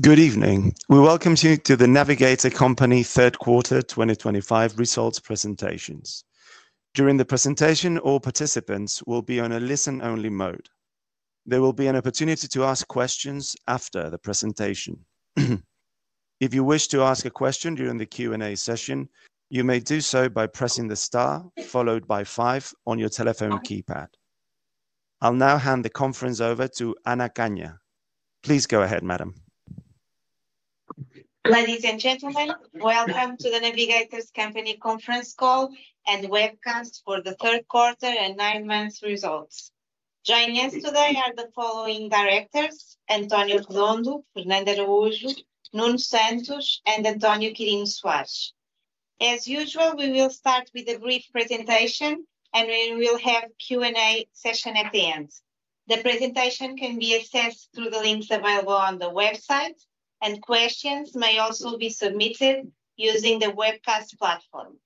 Good evening. We welcome you to The Navigator Company third quarter 2025 results presentations. During the presentation, all participants will be on a listen-only mode. There will be an opportunity to ask questions after the presentation. If you wish to ask a question during the Q&A session, you may do so by pressing the star followed by five on your telephone keypad. I'll now hand the conference over to Ana Canha. Please go ahead, madam. Ladies and gentlemen, welcome to The Navigator Company conference call and webcast for the third quarter and nine months' results. Joining us today are the following directors: António Redondo, Fernando Araújo, Nuno Santos, and António Quirino Soares. As usual, we will start with a brief presentation, and we will have a Q&A session at the end. The presentation can be accessed through the links available on the website, and questions may also be submitted using the webcast platform.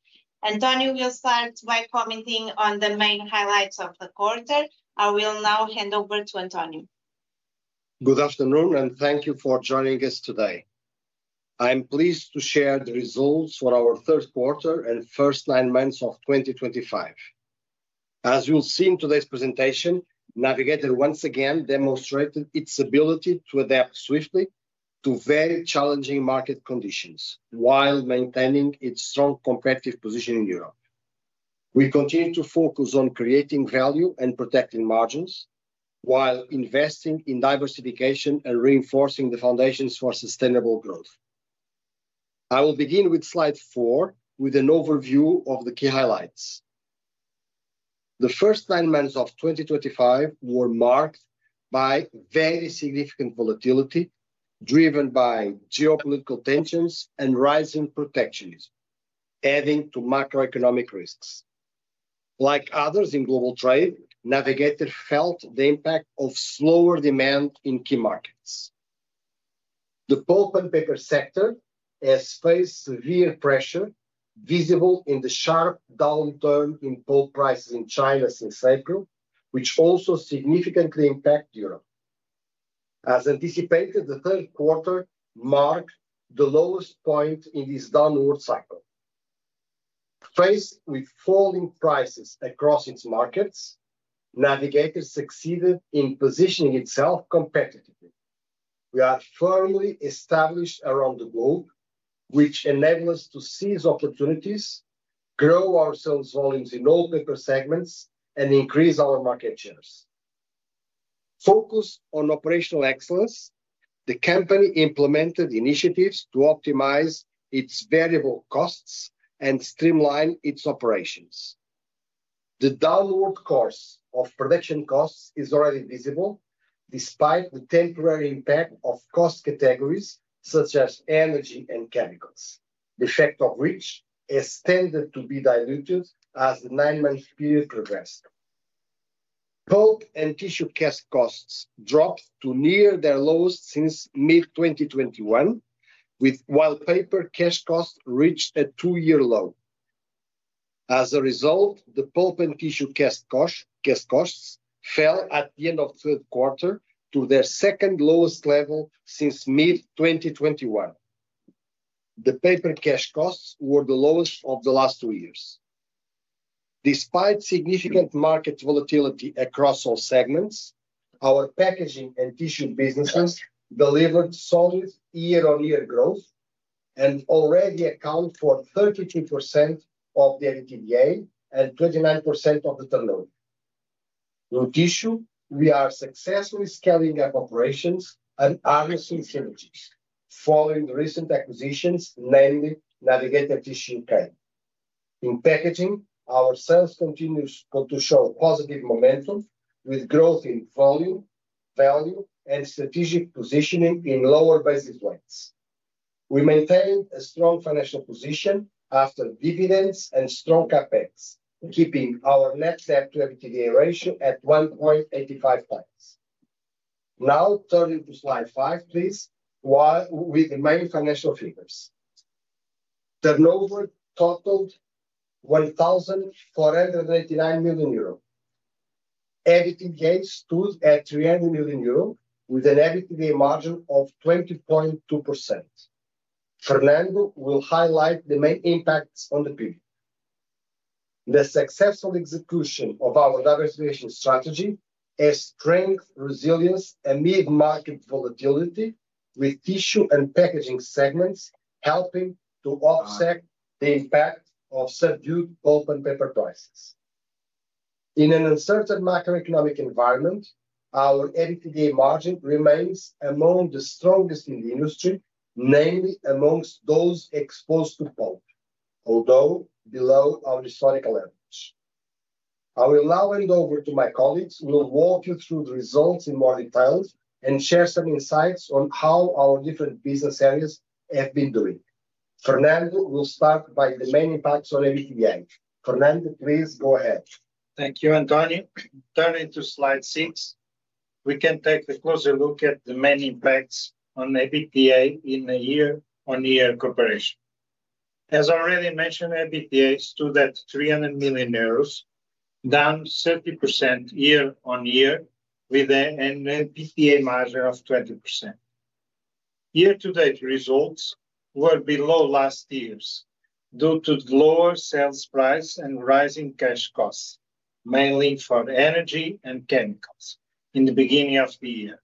António will start by commenting on the main highlights of the quarter. I will now hand over to António. Good afternoon, and thank you for joining us today. I am pleased to share the results for our third quarter and first nine months of 2025. As you'll see in today's presentation, Navigator once again demonstrated its ability to adapt swiftly to very challenging market conditions while maintaining its strong competitive position in Europe. We continue to focus on creating value and protecting margins while investing in diversification and reinforcing the foundations for sustainable growth. I will begin with slide four with an overview of the key highlights. The first nine months of 2025 were marked by very significant volatility driven by geopolitical tensions and rising protectionism, adding to macroeconomic risks. Like others in global trade, Navigator felt the impact of slower demand in key markets. The pulp and paper sector has faced severe pressure, visible in the sharp downturn in pulp prices in China since April, which also significantly impacted Europe. As anticipated, the third quarter marked the lowest point in this downward cycle. Faced with falling prices across its markets, Navigator succeeded in positioning itself competitively. We are firmly established around the globe, which enables us to seize opportunities, grow our sales volumes in all paper segments, and increase our market shares. Focused on operational excellence, the company implemented initiatives to optimize its variable costs and streamline its operations. The downward course of production costs is already visible, despite the temporary impact of cost categories such as energy and chemicals, the effect of which has tended to be diluted as the nine-month period progressed. Pulp and tissue cash costs dropped to near their lowest since mid-2021, while paper cash costs reached a two-year low. As a result, the pulp and tissue cash costs fell at the end of the third quarter to their second lowest level since mid-2021. The paper cash costs were the lowest of the last two years. Despite significant market volatility across all segments, our packaging and tissue businesses delivered solid year-on-year growth and already account for 32% of the MTVA and 29% of the turnover through tissue. We are successfully scaling up operations and harnessing synergies following the recent acquisitions, namely Navigator Tissue UK. In packaging, our sales continue to show positive momentum with growth in volume, value, and strategic positioning in lower basis weights. We maintained a strong financial position after dividends and strong CapEx, keeping our net debt to MTVA ratio at 1.85x. Now turning to slide five, please, with the main financial figures. Turnover totaled 1,489 million euro. EBITDA stood at 300 million euro with an EBITDA margin of 20.2%. Fernando will highlight the main impacts on the period. The successful execution of our diversification strategy has strengthened resilience amid market volatility, with tissue and packaging segments helping to offset the impact of subdued pulp and paper prices. In an uncertain macroeconomic environment, our EBITDA margin remains among the strongest in the industry, namely amongst those exposed to pulp, although below our historical average. I will now hand over to my colleagues who will walk you through the results in more detail and share some insights on how our different business areas have been doing. Fernando will start by the main impacts on EBITDA. Fernando, please go ahead. Thank you, António. Turning to slide six, we can take a closer look at the main impacts on EBITDA in a year-on-year comparison. As already mentioned, EBITDA stood at 300 million euros, down 30% year-on-year with an EBITDA margin of 20%. Year-to-date results were below last year's due to the lower sales price and rising cash costs, mainly for energy and chemicals, in the beginning of the year,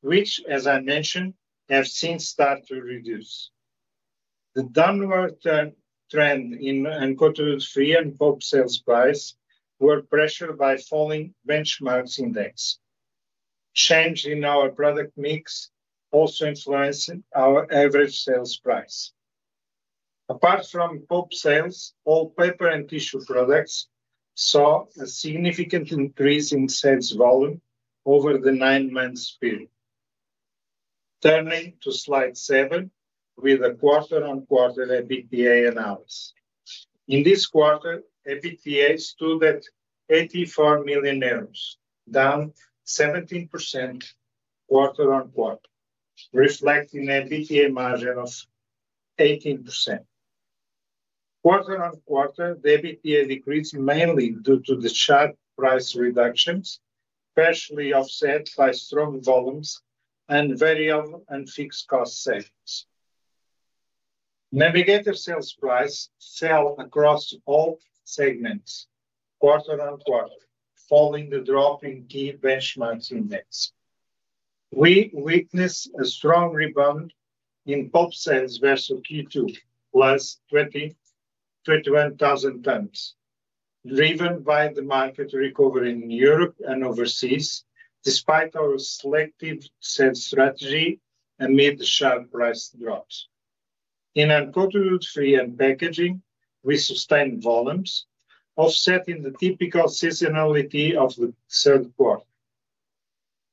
which, as I mentioned, have since started to reduce. The downward trend in uncoated free and pulp sales prices was pressured by falling benchmark index. Change in our product mix also influenced our average sales price. Apart from pulp sales, all paper and tissue products saw a significant increase in sales volume over the nine-month period. Turning to slide seven with a quarter-on-quarter EBITDA analysis. In this quarter, EBITDA stood at 84 million euros, down 17% quarter-on-quarter, reflecting an EBITDA margin of 18%. Quarter-on-quarter, the EBITDA decreased mainly due to the sharp price reductions, partially offset by strong volumes and variable and fixed cost savings. Navigator sales prices fell across all segments quarter-on-quarter, following the drop in key benchmark index. We witnessed a strong rebound in pulp sales versus Q2, +21,000 tons, driven by the market recovering in Europe and overseas, despite our selective sales strategy amid the sharp price drops. In uncoated free and packaging, we sustained volumes, offsetting the typical seasonality of the third quarter.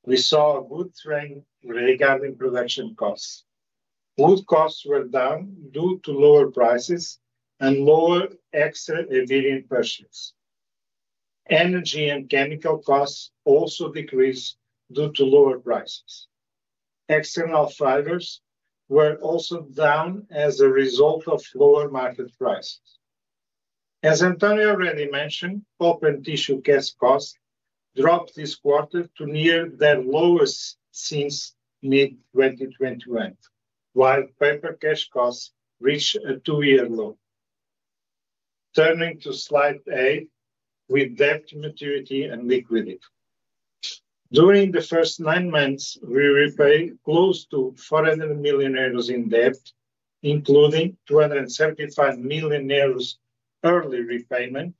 We saw a good trend regarding production costs. Food costs were down due to lower prices and lower extra ingredient purchases. Energy and chemical costs also decreased due to lower prices. External fibers were also down as a result of lower market prices. As António already mentioned, pulp and tissue cash costs dropped this quarter to near their lowest since mid-2021, while paper cash costs reached a two-year low. Turning to slide eight with debt maturity and liquidity. During the first nine months, we repaid close to 400 million euros in debt, including 275 million euros early repayment,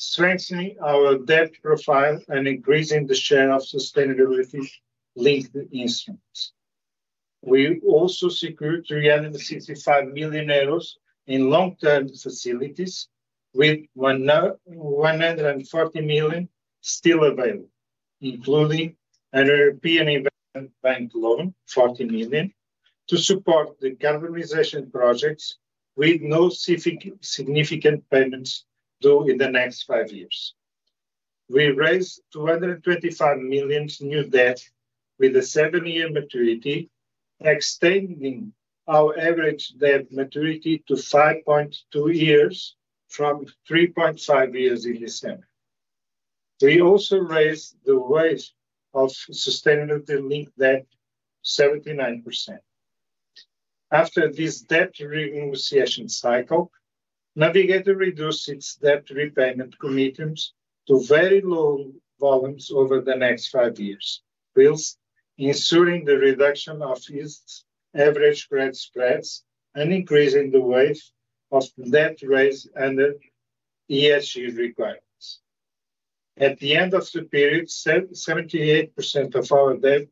strengthening our debt profile and increasing the share of sustainability-linked instruments. We also secured 365 million euros in long-term facilities, with 140 million still available, including a European Investment Bank loan of 40 million to support the decarbonization projects, with no significant payments due in the next five years. We raised 225 million in new debt, with a seven-year maturity, extending our average debt maturity to 5.2 years from 3.5 years in December. We also raised the weight of sustainability-linked debt to 79%. After this debt renegotiation cycle, Navigator reduced its debt repayment commitments to very low volumes over the next five years, ensuring the reduction of its average credit spreads and increasing the weight of debt raised under ESG requirements. At the end of the period, 78% of our debt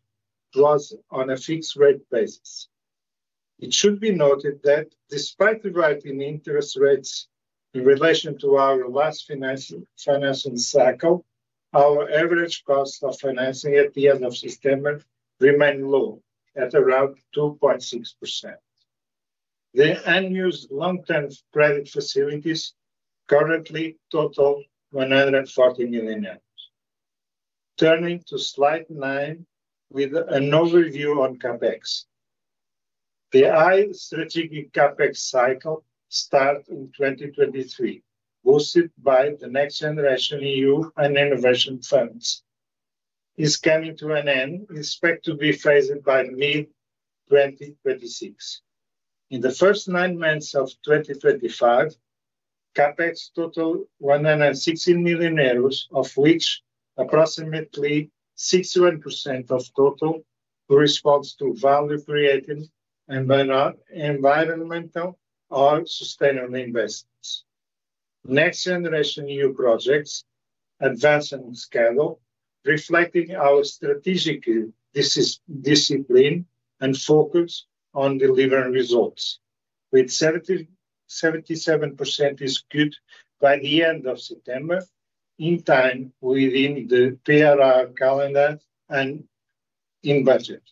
was on a fixed-rate basis. It should be noted that despite the rising interest rates in relation to our last financing cycle, our average cost of financing at the end of September remained low, at around 2.6%. The unused long-term credit facilities currently total 140 million. Turning to slide nine with an overview on CapEx. The strategic CapEx cycle started in 2023, boosted by the Next Generation EU and Innovation Fund. It's coming to an end, expected to be completed by mid-2026. In the first nine months of 2025, CAPEX totaled 116 million euros, of which approximately 61% of total corresponds to value-creating and environmental or sustainable investments. Next Generation EU projects advanced on the scale, reflecting our strategic discipline and focus on delivering results, with 77% executed by the end of September, in time within the PRR calendar and in budget.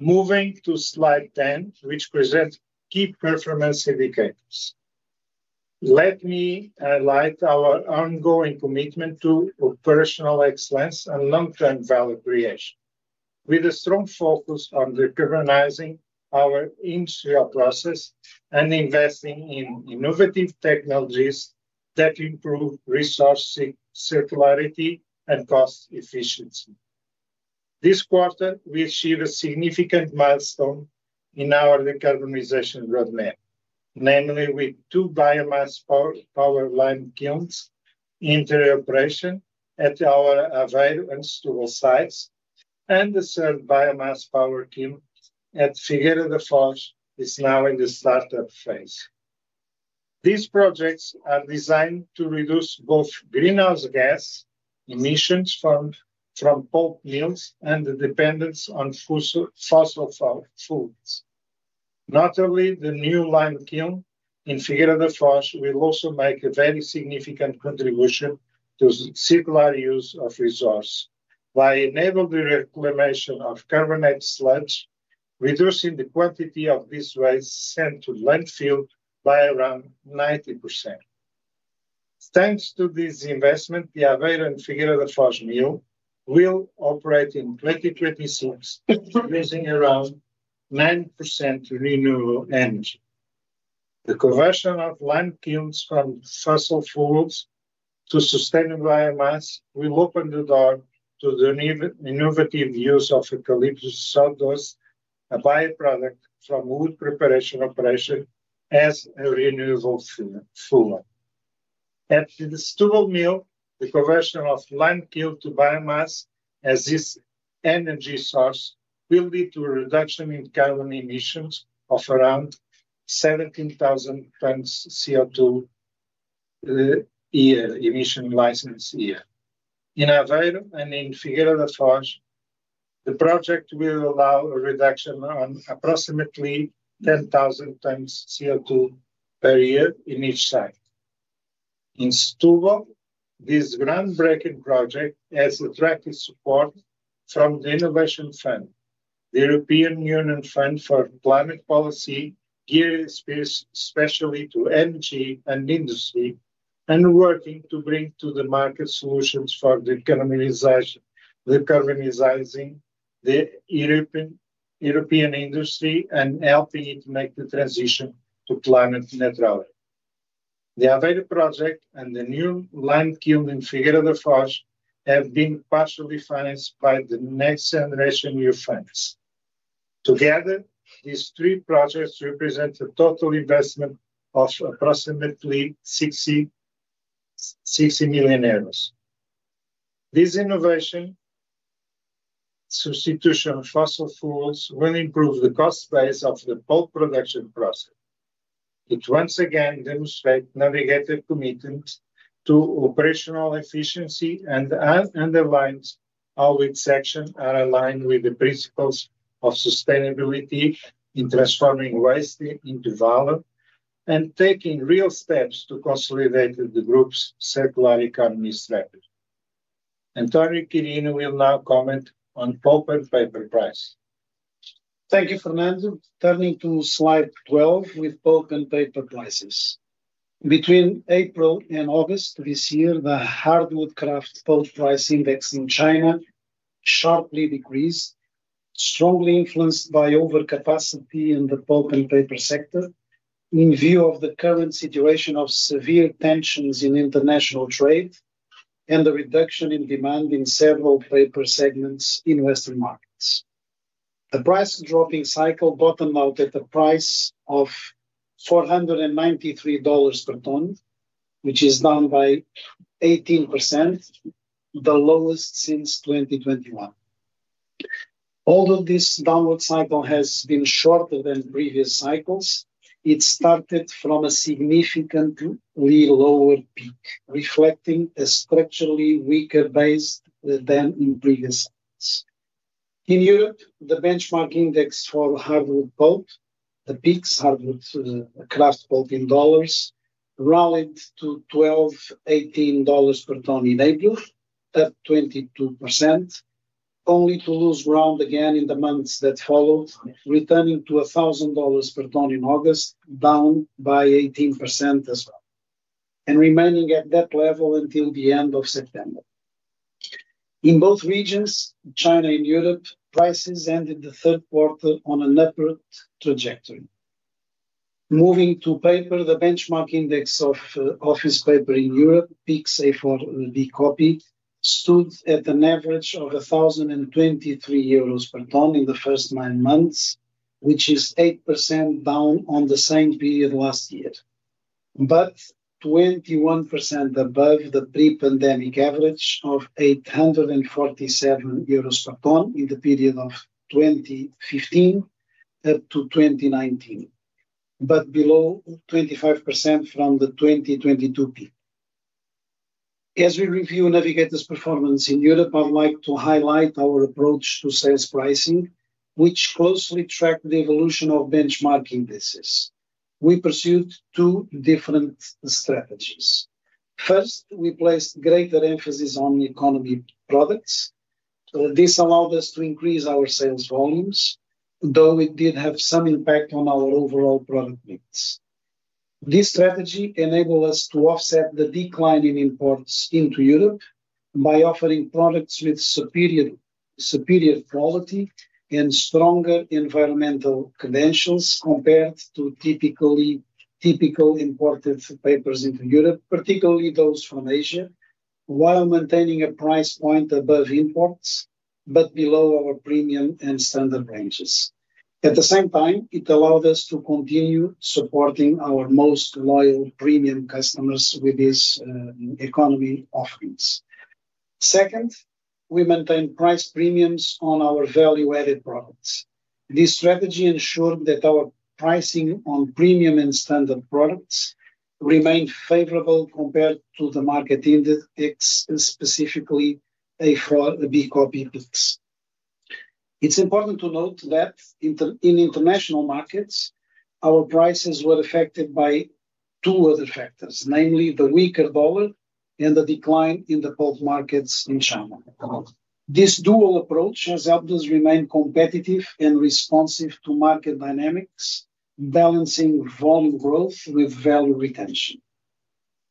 Moving to slide 10, which presents key performance indicators. Let me highlight our ongoing commitment to operational excellence and long-term value creation, with a strong focus on decarbonizing our industrial process and investing in innovative technologies that improve resource circularity and cost efficiency. This quarter, we achieved a significant milestone in our decarbonization roadmap, namely with two biomass kiln conversions in operation at our Aveiro and Setúbal sites, and the third biomass kiln conversion at Figueira da Foz is now in the startup phase. These projects are designed to reduce both greenhouse gas emissions from pulp mills and the dependence on fossil fuels. Notably, the new kiln in Figueira da Foz will also make a very significant contribution to the circular use of resources by enabling the reclamation of carbonate sludges, reducing the quantity of this waste sent to the landfill by around 90%. Thanks to this investment, the Aveiro and Figueira da Foz mills will operate in 2026, using around 9% renewable energy. The conversion of line kilns from fossil fuels to sustainable biomass will open the door to the innovative use of eucalyptus sawdust, a byproduct from wood preparation operation, as a renewable fuel. At the Setúbal mill, the conversion of line kiln to biomass as its energy source will lead to a reduction in carbon emissions of around 17,000 tons CO2 emission license a year. In Aveiro and in Figueira da Foz, the project will allow a reduction of approximately 10,000 tons CO2 per year in each site. In Setúbal, this groundbreaking project has attracted support from the Innovation Fund, the European Union fund for climate policy, geared especially to energy and industry, and working to bring to the market solutions for decarbonizing the European industry and helping it make the transition to climate neutrality. The Aveiro project and the new line kiln in Figueira da Foz have been partially financed by the Next Generation EU funds. Together, these three projects represent a total investment of approximately 60 million euros. This innovation substitution of fossil fuels will improve the cost base of the pulp production process. It once again demonstrates Navigator's commitment to operational efficiency and underlines how its actions are aligned with the principles of sustainability in transforming waste into value and taking real steps to consolidate the group's circular economy strategy. António Quirino will now comment on pulp and paper prices. Thank you, Fernando. Turning to slide 12 with pulp and paper prices. Between April and August this year, the hardwood kraft pulp price index in China sharply decreased, strongly influenced by overcapacity in the pulp and paper sector in view of the current situation of severe tensions in international trade and the reduction in demand in several paper segments in Western markets. The price dropping cycle bottomed out at a price of $493 per ton, which is down by 18%, the lowest since 2021. Although this downward cycle has been shorter than previous cycles, it started from a significantly lower peak, reflecting a structurally weaker base than in previous cycles. In Europe, the benchmark index for hardwood pulp, the PIX hardwood kraft pulp in dollars, rallied to $1,218 per ton in April, up 22%, only to lose ground again in the months that followed, returning to $1,000 per ton in August, down by 18% as well, and remaining at that level until the end of September. In both regions, China and Europe, prices ended the third quarter on an upward trajectory. Moving to paper, the benchmark index of office paper in Europe, PIX A4 B copy, stood at an average of 1,023 euros per ton in the first nine months, which is 8% down on the same period last year, but 21% above the pre-pandemic average of 847 euros per ton in the period of 2015 up to 2019, but below 25% from the 2022 peak. As we review Navigator's performance in Europe, I would like to highlight our approach to sales pricing, which closely tracks the evolution of benchmark indices. We pursued two different strategies. First, we placed greater emphasis on economy products. This allowed us to increase our sales volumes, though it did have some impact on our overall product mix. This strategy enabled us to offset the decline in imports into Europe by offering products with superior quality and stronger environmental credentials compared to typical imported papers into Europe, particularly those from Asia, while maintaining a price point above imports but below our premium and standard ranges. At the same time, it allowed us to continue supporting our most loyal premium customers with these economy offerings. Second, we maintained price premiums on our value-added products. This strategy ensured that our pricing on premium and standard products remained favorable compared to the market indices, specifically A4 B copy PIX. It's important to note that in international markets, our prices were affected by two other factors, namely the weaker dollar and the decline in the pulp markets in China. This dual approach has helped us remain competitive and responsive to market dynamics, balancing volume growth with value retention.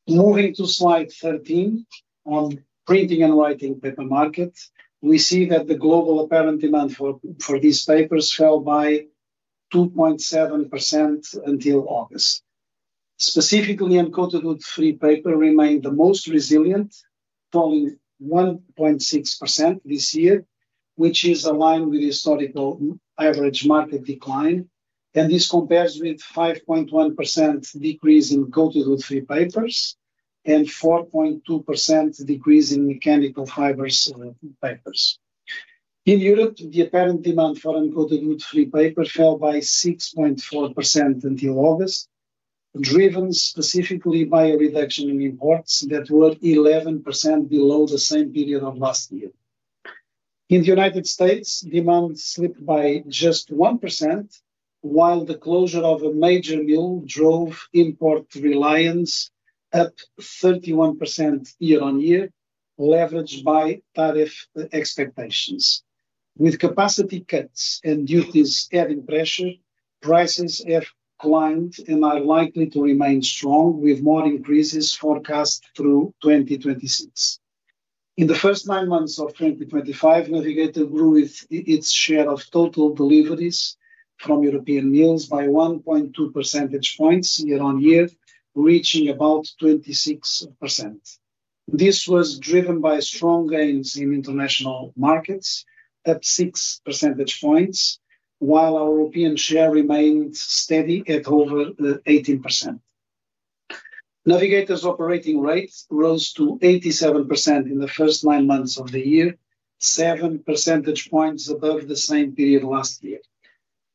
Moving to slide 13 on printing and writing paper market, we see that the global apparent demand for these papers fell by 2.7% until August. Specifically, uncoated free paper remained the most resilient, falling 1.6% this year, which is aligned with the historical average market decline, and this compares with a 5.1% decrease in coated free papers and a 4.2% decrease in mechanical fibers papers. In Europe, the apparent demand for uncoated free paper fell by 6.4% until August, driven specifically by a reduction in imports that were 11% below the same period of last year. In the United States, demand slipped by just 1%, while the closure of a major mill drove import reliance up 31% year-on-year, leveraged by tariff expectations. With capacity cuts and duties adding pressure, prices have climbed and are likely to remain strong, with more increases forecast through 2026. In the first nine months of 2025, Navigator grew its share of total deliveries from European mills by 1.2 percentage points year-on-year, reaching about 26%. This was driven by strong gains in international markets, up 6 percentage points, while our European share remained steady at over 18%. Navigator's operating rate rose to 87% in the first nine months of the year, 7 percentage points above the same period last year.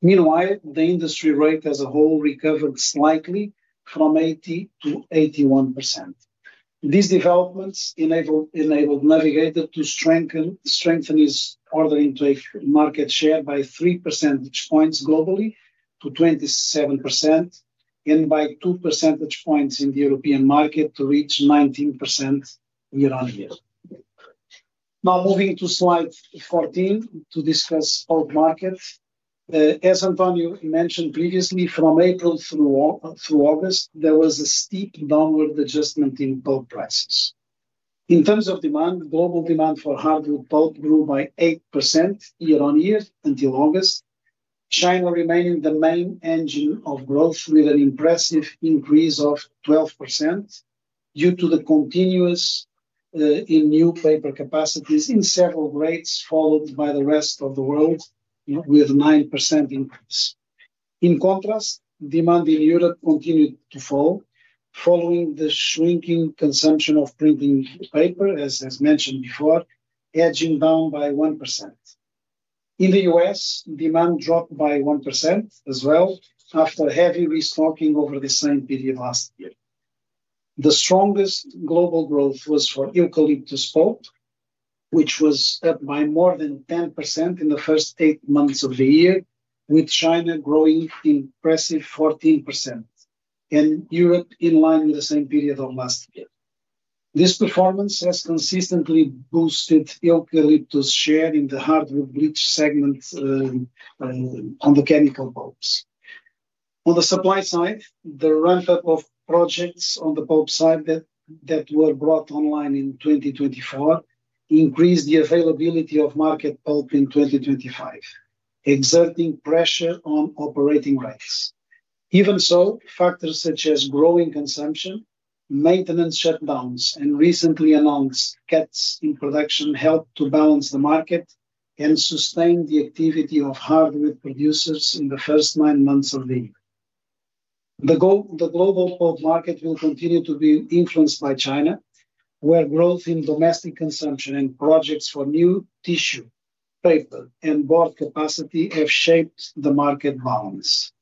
Meanwhile, the industry rate as a whole recovered slightly from 80%-81%. These developments enabled Navigator to strengthen its ordering market share by 3 percentage points globally to 27% and by 2 percentage points in the European market to reach 19% year-on-year. Now moving to slide 14 to discuss the pulp market. As António Redondo mentioned previously, from April through August, there was a steep downward adjustment in pulp prices. In terms of demand, global demand for hardwood pulp grew by 8% year-on-year until August, China remaining the main engine of growth with an impressive increase of 12% due to the continuous in new paper capacities in several grades, followed by the rest of the world with a 9% increase. In contrast, demand in Europe continued to fall, following the shrinking consumption of printing paper, as mentioned before, edging down by 1%. In the U.S., demand dropped by 1% as well after heavy restocking over the same period last year. The strongest global growth was for eucalyptus pulp, which was up by more than 10% in the first eight months of the year, with China growing an impressive 14% and Europe in line with the same period of last year. This performance has consistently boosted eucalyptus share in the hardwood bleach segment on the chemical pulps. On the supply side, the ramp-up of projects on the pulp side that were brought online in 2024 increased the availability of market pulp in 2025, exerting pressure on operating rates. Even so, factors such as growing consumption, maintenance shutdowns, and recently announced cuts in production helped to balance the market and sustain the activity of hardwood producers in the first nine months of the year. The global pulp market will continue to be influenced by China, where growth in domestic consumption and projects for new tissue, paper, and board capacity have shaped the market balance.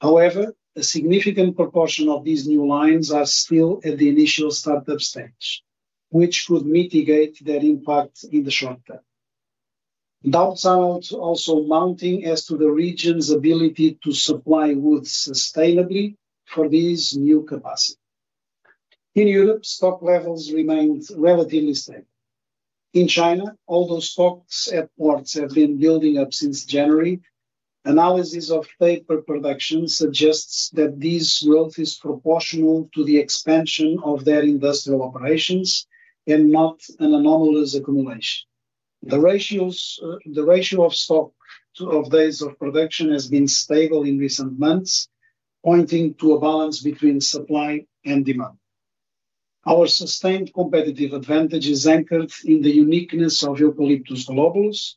However, a significant proportion of these new lines is still at the initial startup stage, which could mitigate their impact in the short term. Doubts are also mounting as to the region's ability to supply wood sustainably for these new capacities. In Europe, stock levels remained relatively stable. In China, although stocks at ports have been building up since January, analysis of paper production suggests that this growth is proportional to the expansion of their industrial operations and not an anomalous accumulation. The ratio of stock to those of production has been stable in recent months, pointing to a balance between supply and demand. Our sustained competitive advantage is anchored in the uniqueness of eucalyptus globulus,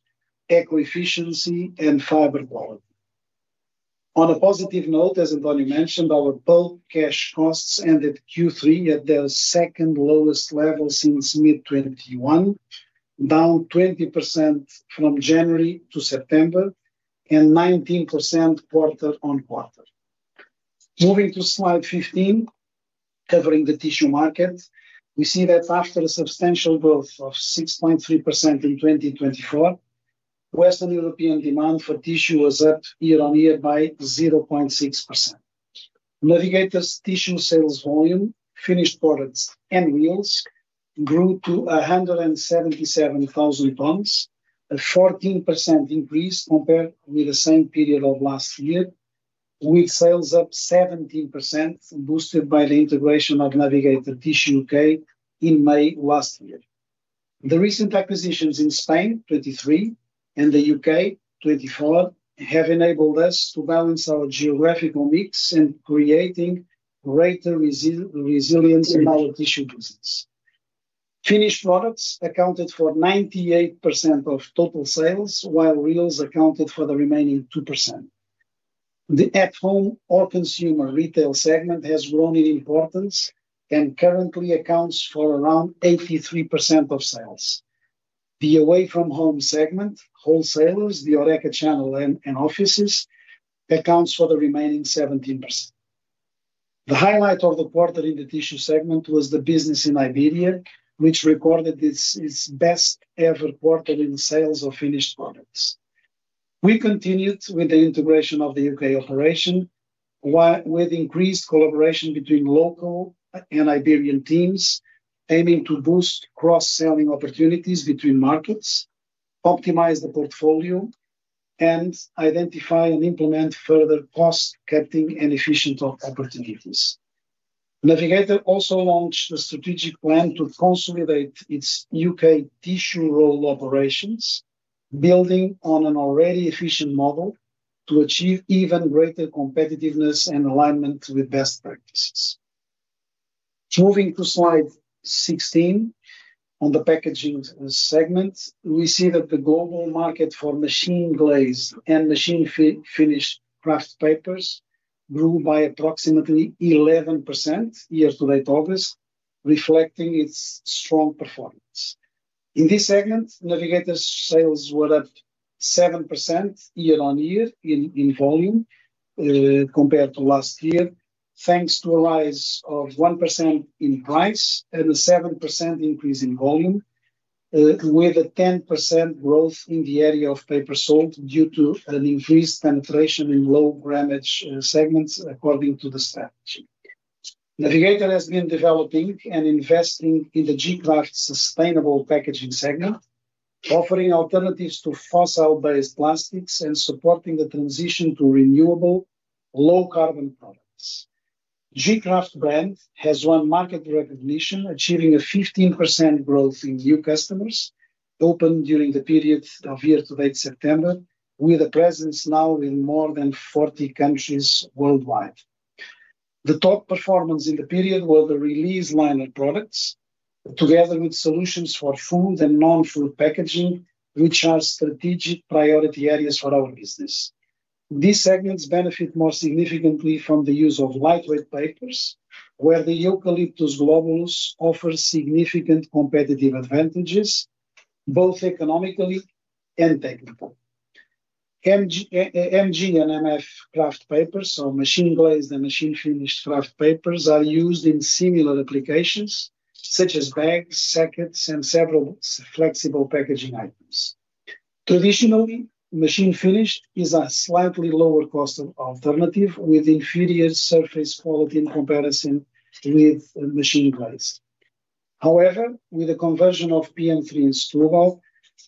eco-efficiency, and fiber quality. On a positive note, as António mentioned, our pulp cash costs ended Q3 at their second lowest level since mid-2021, down 20% from January to September and 19% quarter-on-quarter. Moving to slide 15, covering the tissue market, we see that after a substantial growth of 6.3% in 2024, Western European demand for tissue was up year-on-year by 0.6%. Navigator's tissue sales volume, finished products and mills, grew to 177,000 tons, a 14% increase compared with the same period of last year, with sales up 17%, boosted by the integration of Navigator Tissue UK in May last year. The recent acquisitions in Spain, 2023, and the U.K., 2024, have enabled us to balance our geographical mix and create greater resilience in our tissue business. Finished products accounted for 98% of total sales, while mills accounted for the remaining 2%. The at-home or consumer retail segment has grown in importance and currently accounts for around 83% of sales. The away-from-home segment, wholesalers, the Horeca channel, and offices account for the remaining 17%. The highlight of the quarter in the tissue segment was the business in Iberia, which recorded its best-ever quarter in sales of finished products. We continued with the integration of the U.K. operation, with increased collaboration between local and Iberian teams, aiming to boost cross-selling opportunities between markets, optimize the portfolio, and identify and implement further cost-cutting and efficient opportunities. Navigator also launched a strategic plan to consolidate its U.K. tissue roll operations, building on an already efficient model to achieve even greater competitiveness and alignment with best practices. Moving to slide 16 on the packaging segment, we see that the global market for machine-glazed and machine-finished kraft papers grew by approximately 11% year-to-date August, reflecting its strong performance. In this segment, Navigator's sales were up 7% year-on-year in volume compared to last year, thanks to a rise of 1% in price and a 7% increase in volume, with a 10% growth in the area of paper sold due to an increased penetration in low-grammage segments, according to the strategy. Navigator has been developing and investing in the gKraft sustainable packaging segment, offering alternatives to fossil-based plastics and supporting the transition to renewable, low-carbon products. The gKraft brand has won market recognition, achieving a 15% growth in new customers opened during the period of year-to-date September, with a presence now in more than 40 countries worldwide. The top performance in the period was the release liner products, together with solutions for food and non-food packaging, which are strategic priority areas for our business. These segments benefit more significantly from the use of lightweight papers, where the eucalyptus globulus offers significant competitive advantages, both economically and technically. MG and MF kraft papers, so machine-glazed and machine-finished kraft papers, are used in similar applications, such as bags, sachets, and several flexible packaging items. Traditionally, machine-finished is a slightly lower cost alternative, with inferior surface quality in comparison with machine-glazed. However, with the conversion of PM3 in Setúbal,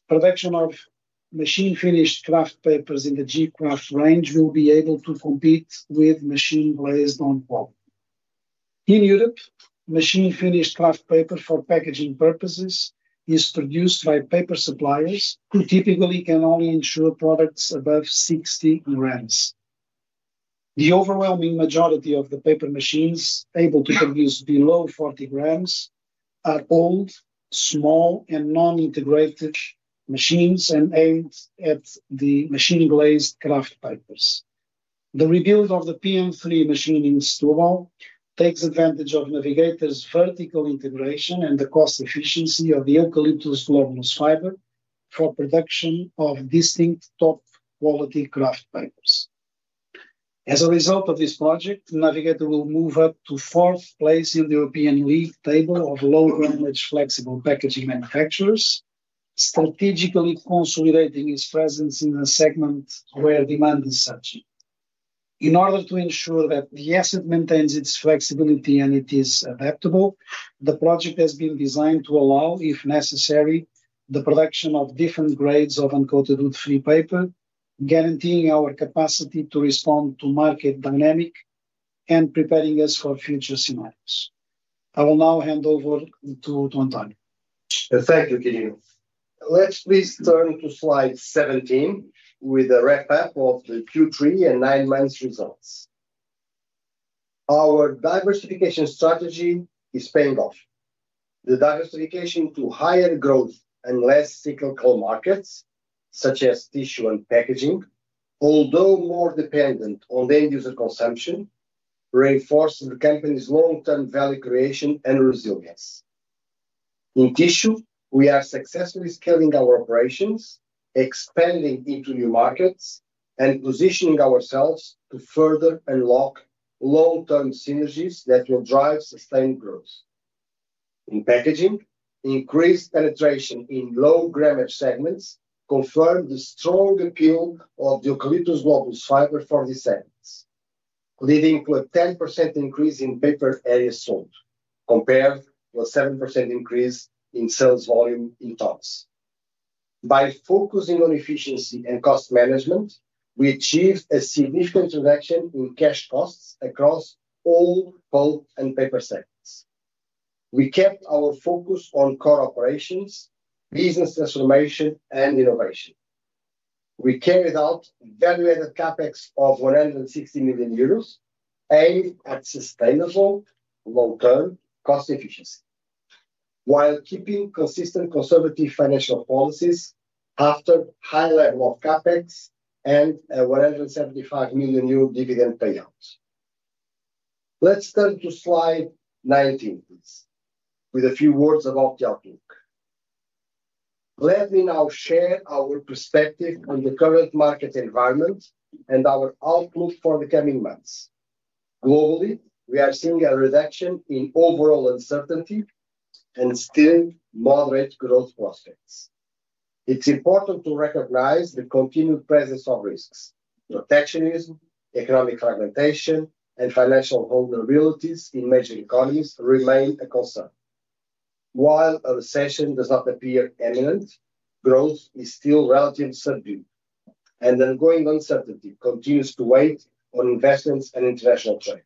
production of machine-finished kraft papers in the gKraft range will be able to compete with machine-glazed on pulp. In Europe, machine-finished kraft paper for packaging purposes is produced by paper suppliers who typically can only ensure products above 60 grams. The overwhelming majority of the paper machines able to produce below 40 grams are old, small, and non-integrated machines and aimed at the machine-glazed kraft papers. The rebuild of the PM3 machine in Setúbal takes advantage of Navigator's vertical integration and the cost efficiency of the eucalyptus globulus fiber for production of distinct top-quality kraft papers. As a result of this project, Navigator will move up to fourth place in the European League table of low-grammage flexible packaging manufacturers, strategically consolidating its presence in a segment where demand is urgent. In order to ensure that the asset maintains its flexibility and it is adaptable, the project has been designed to allow, if necessary, the production of different grades of encoded free paper, guaranteeing our capacity to respond to market dynamics and preparing us for future scenarios. I will now hand over to António. Thank you, Quirino. Let's please turn to slide 17 with a wrap-up of the Q3 and nine months' results. Our diversification strategy is paying off. The diversification to higher growth and less cyclical markets, such as tissue and packaging, although more dependent on the end-user consumption, reinforces the company's long-term value creation and resilience. In tissue, we are successfully scaling our operations, expanding into new markets, and positioning ourselves to further unlock long-term synergies that will drive sustained growth. In packaging, increased penetration in low-gramage segments confirms the strong appeal of the eucalyptus globulus fiber for these segments, leading to a 10% increase in paper areas sold, compared to a 7% increase in sales volume in tons. By focusing on efficiency and cost management, we achieved a significant reduction in cash costs across all pulp and paper segments. We kept our focus on core operations, business transformation, and innovation. We carried out value-added CapE of 160 million euros, aiming at sustainable long-term cost efficiency, while keeping consistent conservative financial policies after a high level of CapEx and a 175 million dividend payout. Let's turn to slide 19, please, with a few words about the outlook. Let me now share our perspective on the current market environment and our outlook for the coming months. Globally, we are seeing a reduction in overall uncertainty and still moderate growth prospects. It's important to recognize the continued presence of risks. Protectionism, economic fragmentation, and financial vulnerabilities in major economies remain a concern. While a recession does not appear imminent, growth is still relatively subdued, and ongoing uncertainty continues to weigh on investments and international trade.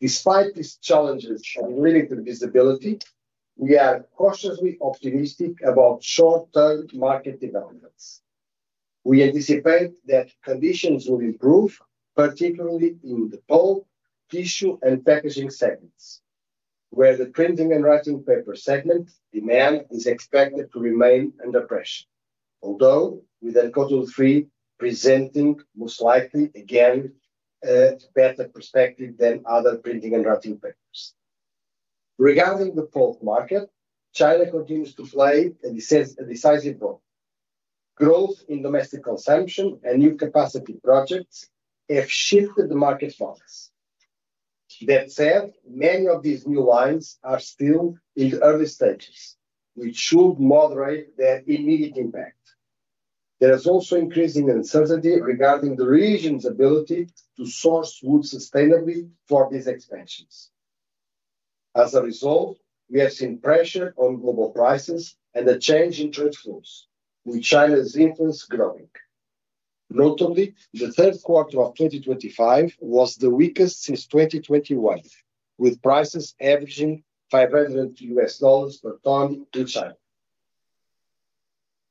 Despite these challenges and limited visibility, we are cautiously optimistic about short-term market developments. We anticipate that conditions will improve, particularly in the pulp, tissue, and packaging segments, where the printing and writing paper segment demand is expected to remain under pressure, although with uncoated free presenting most likely again a better perspective than other printing and writing papers. Regarding the pulp market, China continues to play a decisive role. Growth in domestic consumption and new capacity projects have shifted the market's focus. That said, many of these new lines are still in the early stages, which should moderate their immediate impact. There is also increasing uncertainty regarding the region's ability to source wood sustainably for these expansions. As a result, we have seen pressure on global prices and a change in trade flows, with China's influence growing. Notably, the third quarter of 2025 was the weakest since 2021, with prices averaging $500 per ton in China.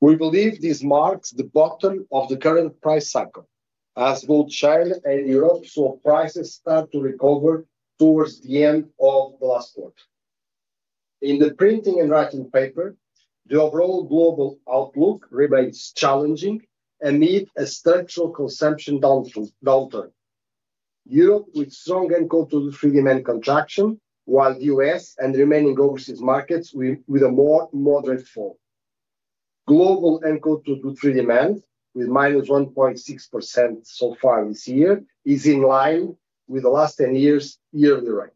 We believe this marks the bottom of the current price cycle, as both China and Europe saw prices start to recover towards the end of the last quarter. In the printing and writing paper, the overall global outlook remains challenging amid a structural consumption downturn. Europe, with strong encoded free demand contraction, while the U.S. and remaining overseas markets with a more moderate fall. Global encoded free demand, with -1.6% so far this year, is in line with the last 10 years' yearly rate.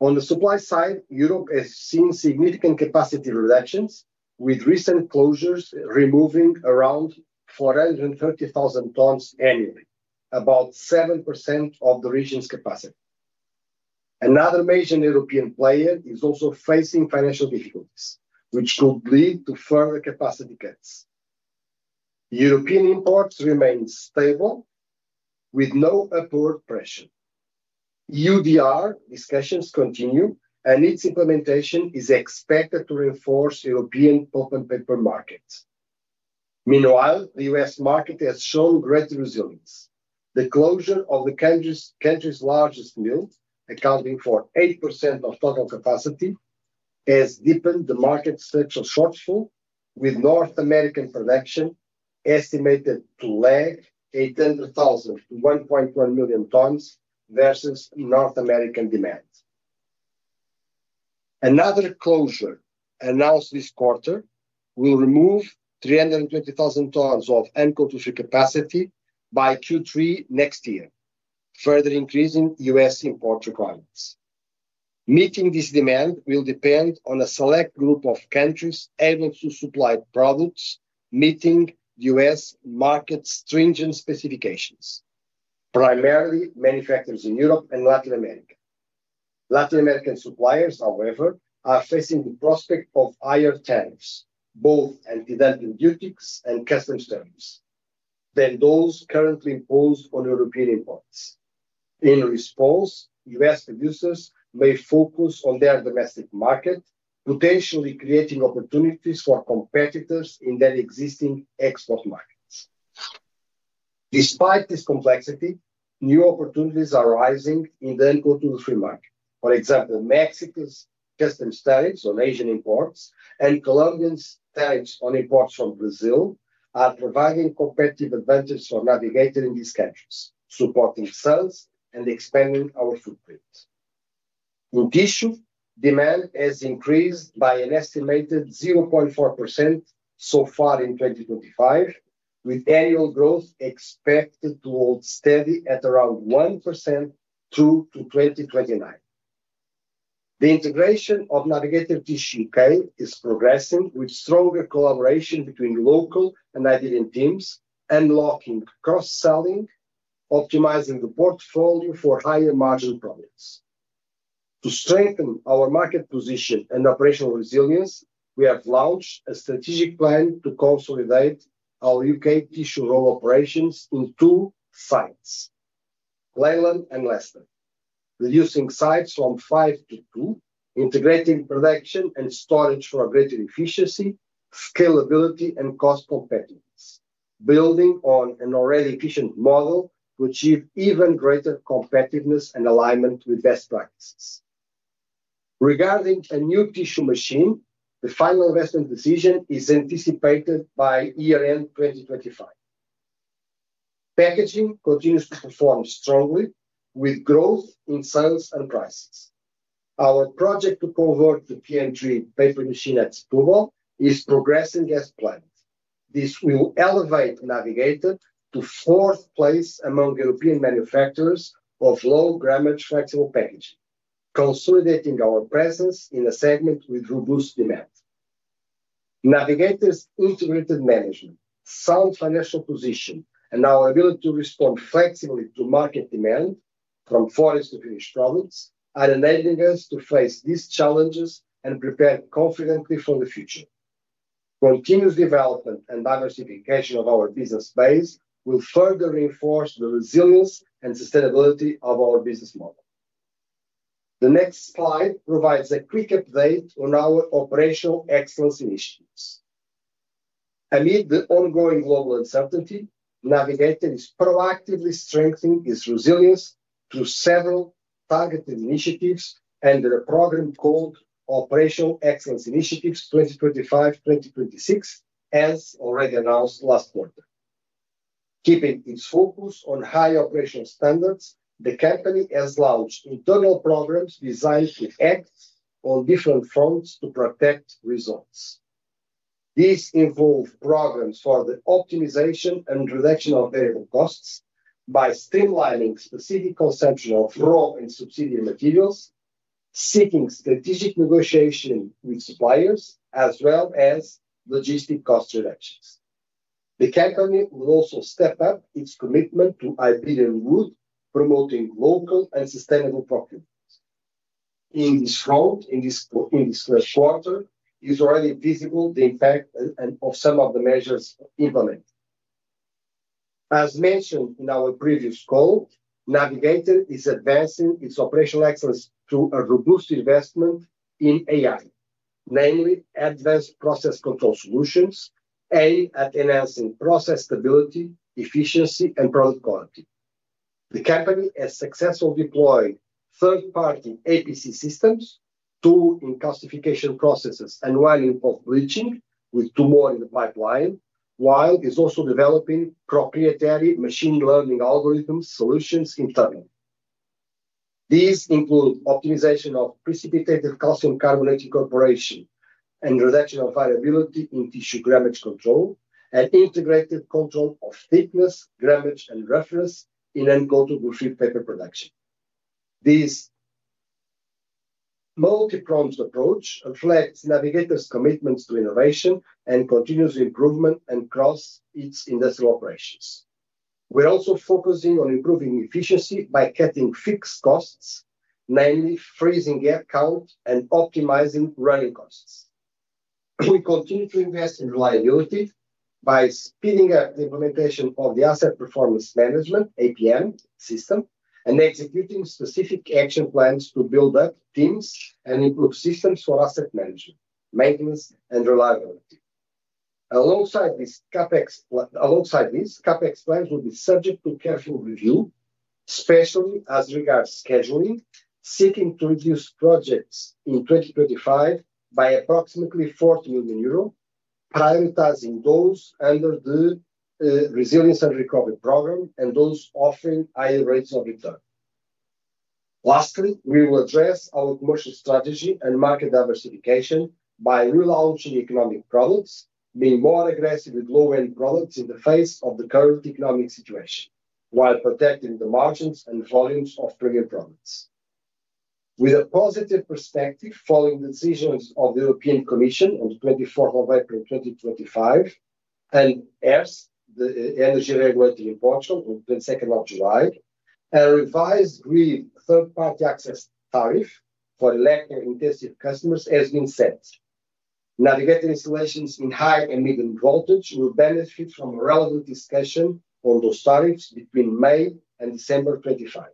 On the supply side, Europe has seen significant capacity reductions, with recent closures removing around 430,000 tons annually, about 7% of the region's capacity. Another major European player is also facing financial difficulties, which could lead to further capacity cuts. European imports remain stable, with no upward pressure. EUDR discussions continue, and its implementation is expected to reinforce the European pulp and paper market. Meanwhile, the U.S. market has shown greater resilience. The closure of the country's largest mill, accounting for 8% of total capacity, has deepened the market's structural shortfall, with North American production estimated to lag 800,000-1.1 million tons versus North American demand. Another closure announced this quarter will remove 320,000 tons of encoded free capacity by Q3 next year, further increasing U.S. import requirements. Meeting this demand will depend on a select group of countries able to supply products meeting the U.S. market's stringent specifications, primarily manufacturers in Europe and Latin America. Latin American suppliers, however, are facing the prospect of higher tariffs, both on developing duties and customs terms than those currently imposed on European imports. In response, U.S. producers may focus on their domestic market, potentially creating opportunities for competitors in their existing export markets. Despite this complexity, new opportunities are arising in the encoded free market. For example, Mexico's customs tariffs on Asian imports and Colombia's tariffs on imports from Brazil are providing competitive advantages for Navigator in these countries, supporting sales and expanding our footprint. In tissue, demand has increased by an estimated 0.4% so far in 2025, with annual growth expected to hold steady at around 1% through to 2029. The integration of Navigator Tissue UK is progressing, with stronger collaboration between local and Iberian teams unlocking cross-selling, optimizing the portfolio for higher margin products. To strengthen our market position and operational resilience, we have launched a strategic plan to consolidate our UK tissue roll operations in two sites, Leyland and Leicester, reducing sites from five to two, integrating production and storage for greater efficiency, scalability, and cost competitiveness, building on an already efficient model to achieve even greater competitiveness and alignment with best practices. Regarding a new tissue machine, the final investment decision is anticipated by year-end 2025. Packaging continues to perform strongly, with growth in sales and prices. Our project to convert the PM3 paper machine at Setúbal is progressing as planned. This will elevate Navigator to fourth place among European manufacturers of low-grammage flexible packaging, consolidating our presence in a segment with robust demand. Navigator's integrated management, sound financial position, and our ability to respond flexibly to market demand from foreign to Finnish products are enabling us to face these challenges and prepare confidently for the future. Continuous development and diversification of our business base will further reinforce the resilience and sustainability of our business model. The next slide provides a quick update on our operational excellence initiatives. Amid the ongoing global uncertainty, Navigator is proactively strengthening its resilience through several targeted initiatives under a program called Operational Excellence Initiatives 2025-2026, as already announced last quarter. Keeping its focus on high operational standards, the company has launched internal programs designed to act on different fronts to protect results. These involve programs for the optimization and reduction of variable costs by streamlining specific consumption of raw and subsidiary materials, seeking strategic negotiation with suppliers, as well as logistic cost reductions. The company will also step up its commitment to Iberian wood, promoting local and sustainable procurement. In this front, in this first quarter, it is already visible the impact of some of the measures implemented. As mentioned in our previous call, Navigator is advancing its operational excellence through a robust investment in AI, namely advanced process control solutions aimed at enhancing process stability, efficiency, and product quality. The company has successfully deployed third-party APC systems, two in calcification processes and one in pulp bleaching, with two more in the pipeline, while it is also developing proprietary machine learning algorithm solutions internally. These include optimization of precipitated calcium carbonate incorporation and reduction of variability in tissue gramage control and integrated control of thickness, gramage, and reference in encoded free paper production. This multi-pronged approach reflects Navigator's commitment to innovation and continuous improvement across its industrial operations. We're also focusing on improving efficiency by cutting fixed costs, namely freezing headcount and optimizing running costs. We continue to invest in reliability by speeding up the implementation of the Asset Performance Management (APM) system and executing specific action plans to build up teams and improve systems for asset management, maintenance, and reliability. Alongside this, CapEx plans will be subject to careful review, especially as regards scheduling, seeking to reduce projects in 2025 by approximately 40 million euros, prioritizing those under the Resilience and Recovery program and those offering higher rates of return. Lastly, we will address our commercial strategy and market diversification by ruling out economic products, being more aggressive with low-end products in the face of the current economic situation, while protecting the margins and volumes of premium products. With a positive perspective following the decisions of the European Commission on 24th of April 2025, and ERP, the Energy Regulatory Portal on 22nd of July, a revised GRIF third-party access tariff for electric-intensive customers has been set. Navigator installations in high and medium voltage will benefit from a relevant discussion on those tariffs between May and December 2025.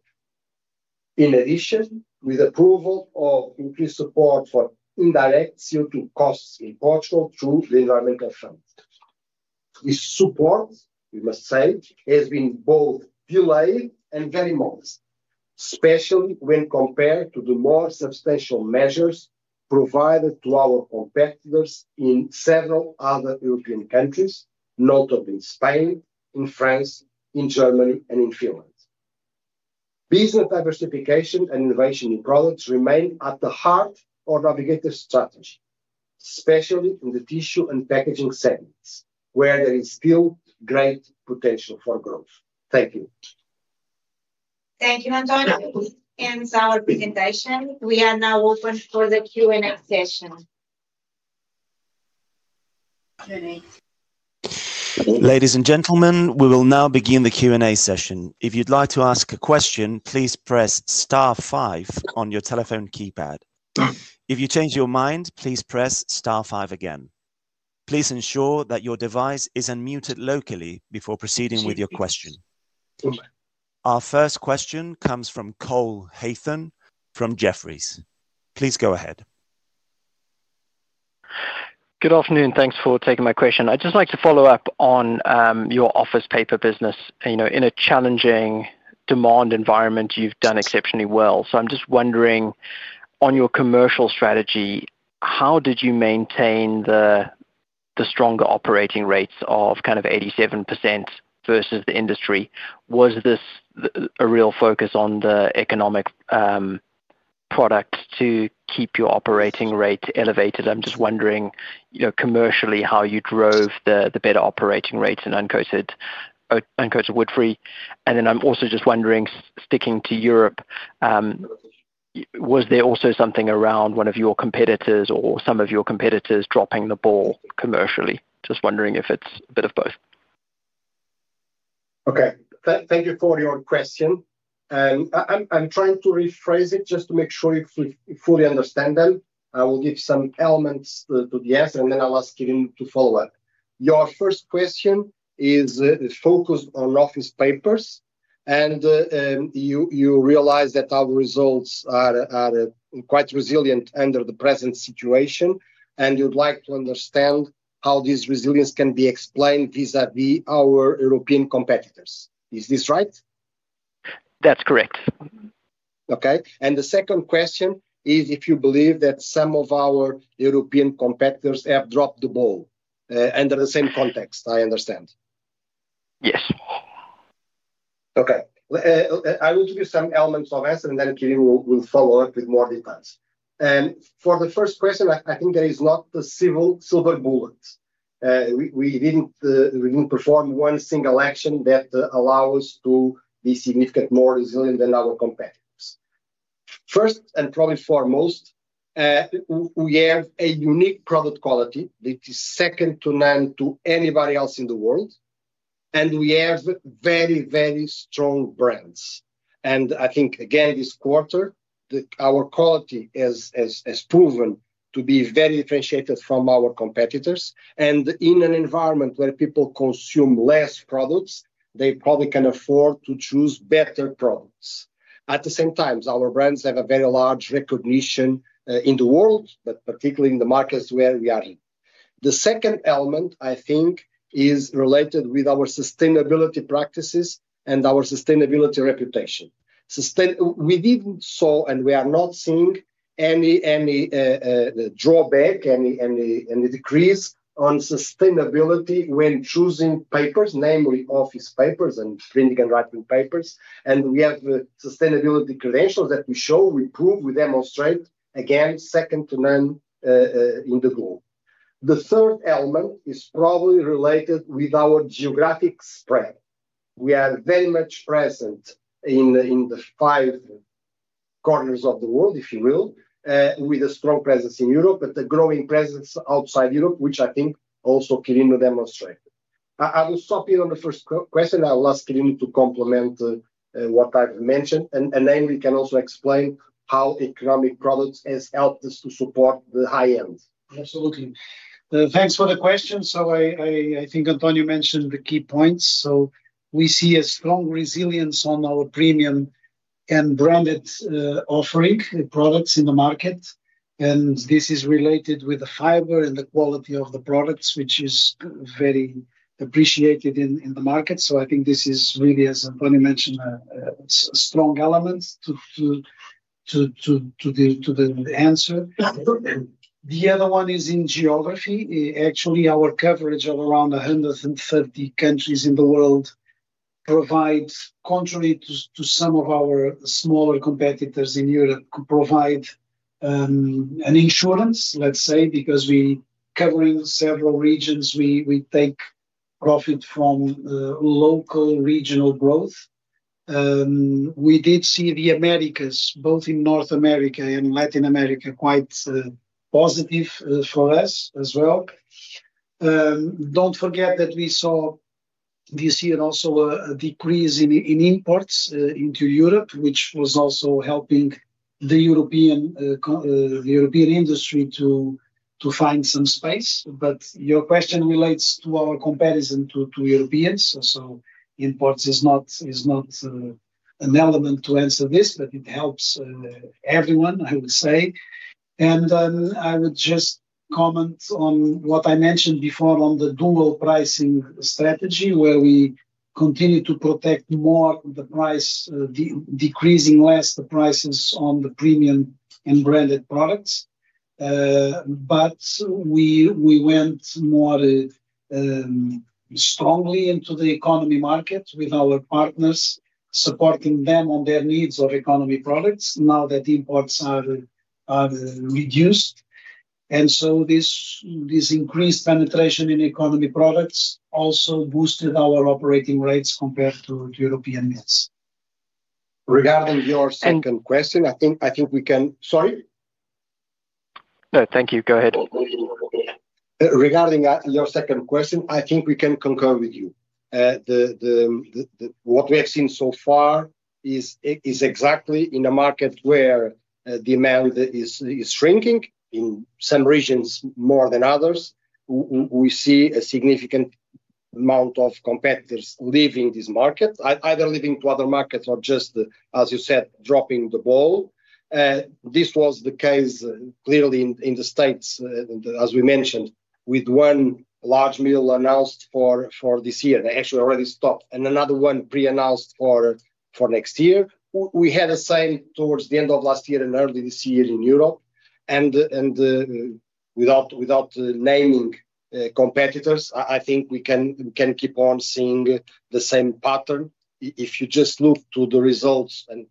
In addition, with approval of increased support for indirect CO2 costs in Portugal through the Environmental Fund. This support, we must say, has been both delayed and very modest, especially when compared to the more substantial measures provided to our competitors in several other European countries, notably in Spain, in France, in Germany, and in Finland. Business diversification and innovation in products remain at the heart of Navigator's strategy, especially in the tissue and packaging segments, where there is still great potential for growth. Thank you. Thank you, António, for your insightful presentation. We are now open for the Q&A session. Ladies and gentlemen, we will now begin the Q&A session. If you'd like to ask a question, please press star five on your telephone keypad. If you change your mind, please press star five again. Please ensure that your device is unmuted locally before proceeding with your question. Our first question comes from Cole Hathorn from Jefferies. Please go ahead. Good afternoon. Thanks for taking my question. I'd just like to follow up on your office paper business. In a challenging demand environment, you've done exceptionally well. I'm just wondering, on your commercial strategy, how did you maintain the stronger operating rates of 87% versus the industry? Was this a real focus on the economic products to keep your operating rate elevated? I'm just wondering commercially how you drove the better operating rates in uncoated wood free. I'm also just wondering, sticking to Europe, was there also something around one of your competitors or some of your competitors dropping the ball commercially? Just wondering if it's a bit of both. Okay. Thank you for your question. I'm trying to rephrase it just to make sure you fully understand them. I will give some elements to the answer, and then I'll ask Quirino to follow up. Your first question is focused on office papers, and you realize that our results are quite resilient under the present situation, and you'd like to understand how this resilience can be explained vis-à-vis our European competitors. Is this right? That's correct. Okay. The second question is if you believe that some of our European competitors have dropped the ball under the same context. I understand. Yes. Okay. I will give you some elements of answer, and then Quirino will follow up with more details. For the first question, I think there is not a silver bullet. We didn't perform one single action that allows us to be significantly more resilient than our competitors. First and probably foremost, we have a unique product quality that is second to none to anybody else in the world, and we have very, very strong brands. I think, again, this quarter, our quality has proven to be very differentiated from our competitors. In an environment where people consume less products, they probably can afford to choose better products. At the same time, our brands have a very large recognition in the world, particularly in the markets where we are in. The second element, I think, is related with our sustainability practices and our sustainability reputation. We didn't see, and we are not seeing any drawback, any decrease on sustainability when choosing papers, namely office papers and printing and writing papers. We have sustainability credentials that we show, we prove, we demonstrate, again, second to none in the globe. The third element is probably related with our geographic spread. We are very much present in the five corners of the world, if you will, with a strong presence in Europe, but a growing presence outside Europe, which I think also Quirino demonstrated. I will stop you on the first question. I'll ask Quirino to complement what I've mentioned, and namely can also explain how economic products have helped us to support the high end. Absolutely. Thanks for the question. I think António mentioned the key points. We see a strong resilience on our premium and branded offering products in the market. This is related with the fiber and the quality of the products, which is very appreciated in the market. I think this is really, as António mentioned, a strong element to the answer. Absolutely. The other one is in geography. Actually, our coverage of around 130 countries in the world provides, contrary to some of our smaller competitors in Europe, an insurance, let's say, because we are covering several regions. We take profit from local regional growth. We did see the Americas, both in North America and Latin America, quite positive for us as well. Don't forget that we saw this year also a decrease in imports into Europe, which was also helping the European industry to find some space. Your question relates to our comparison to Europeans. Imports is not an element to answer this, but it helps everyone, I would say. I would just comment on what I mentioned before on the dual pricing strategy, where we continue to protect more the price, decreasing less the prices on the premium and branded products. We went more strongly into the economy market with our partners, supporting them on their needs of economy products now that imports are reduced. This increased penetration in economy products also boosted our operating rates compared to European means. Regarding your second question, I think we can— Sorry? No, thank you. Go ahead. Regarding your second question, I think we can concur with you. What we have seen so far is exactly in a market where demand is shrinking, in some regions more than others. We see a significant amount of competitors leaving this market, either leaving to other markets or just, as you said, dropping the ball. This was the case clearly in the States, as we mentioned, with one large mill announced for this year. They actually already stopped, and another one pre-announced for next year. We had the same towards the end of last year and early this year in Europe. Without naming competitors, I think we can keep on seeing the same pattern. If you just look to the results and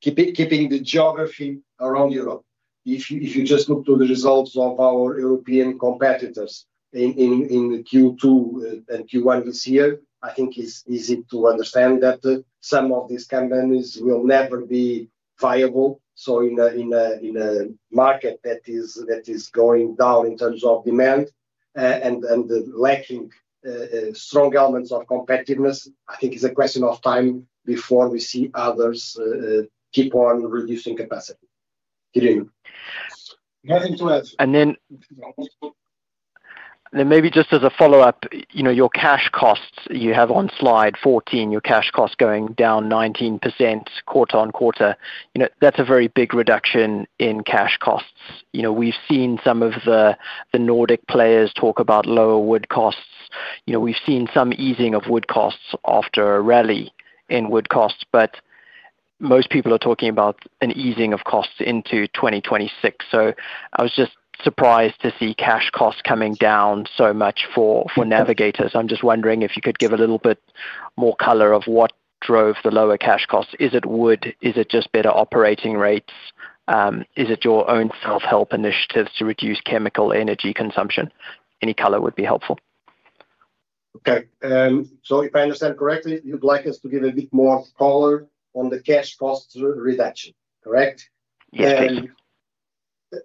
keeping the geography around Europe, if you just look to the results of our European competitors in Q2 and Q1 this year, I think it's easy to understand that some of these companies will never be viable. In a market that is going down in terms of demand and lacking strong elements of competitiveness, I think it's a question of time before we see others keep on reducing capacity. Quirino. Nothing to add. Maybe just as a follow-up, your cash costs you have on slide 14, your cash costs going down 19% quarter-on-quarter. That's a very big reduction in cash costs. We've seen some of the Nordic players talk about lower wood costs. We've seen some easing of wood costs after a rally in wood costs, but most people are talking about an easing of costs into 2026. I was just surprised to see cash costs coming down so much for Navigator. I'm just wondering if you could give a little bit more color of what drove the lower cash costs. Is it wood? Is it just better operating rates? Is it your own self-help initiatives to reduce chemical energy consumption? Any color would be helpful. Okay. If I understand correctly, you'd like us to give a bit more color on the cash cost reduction, correct? Yes.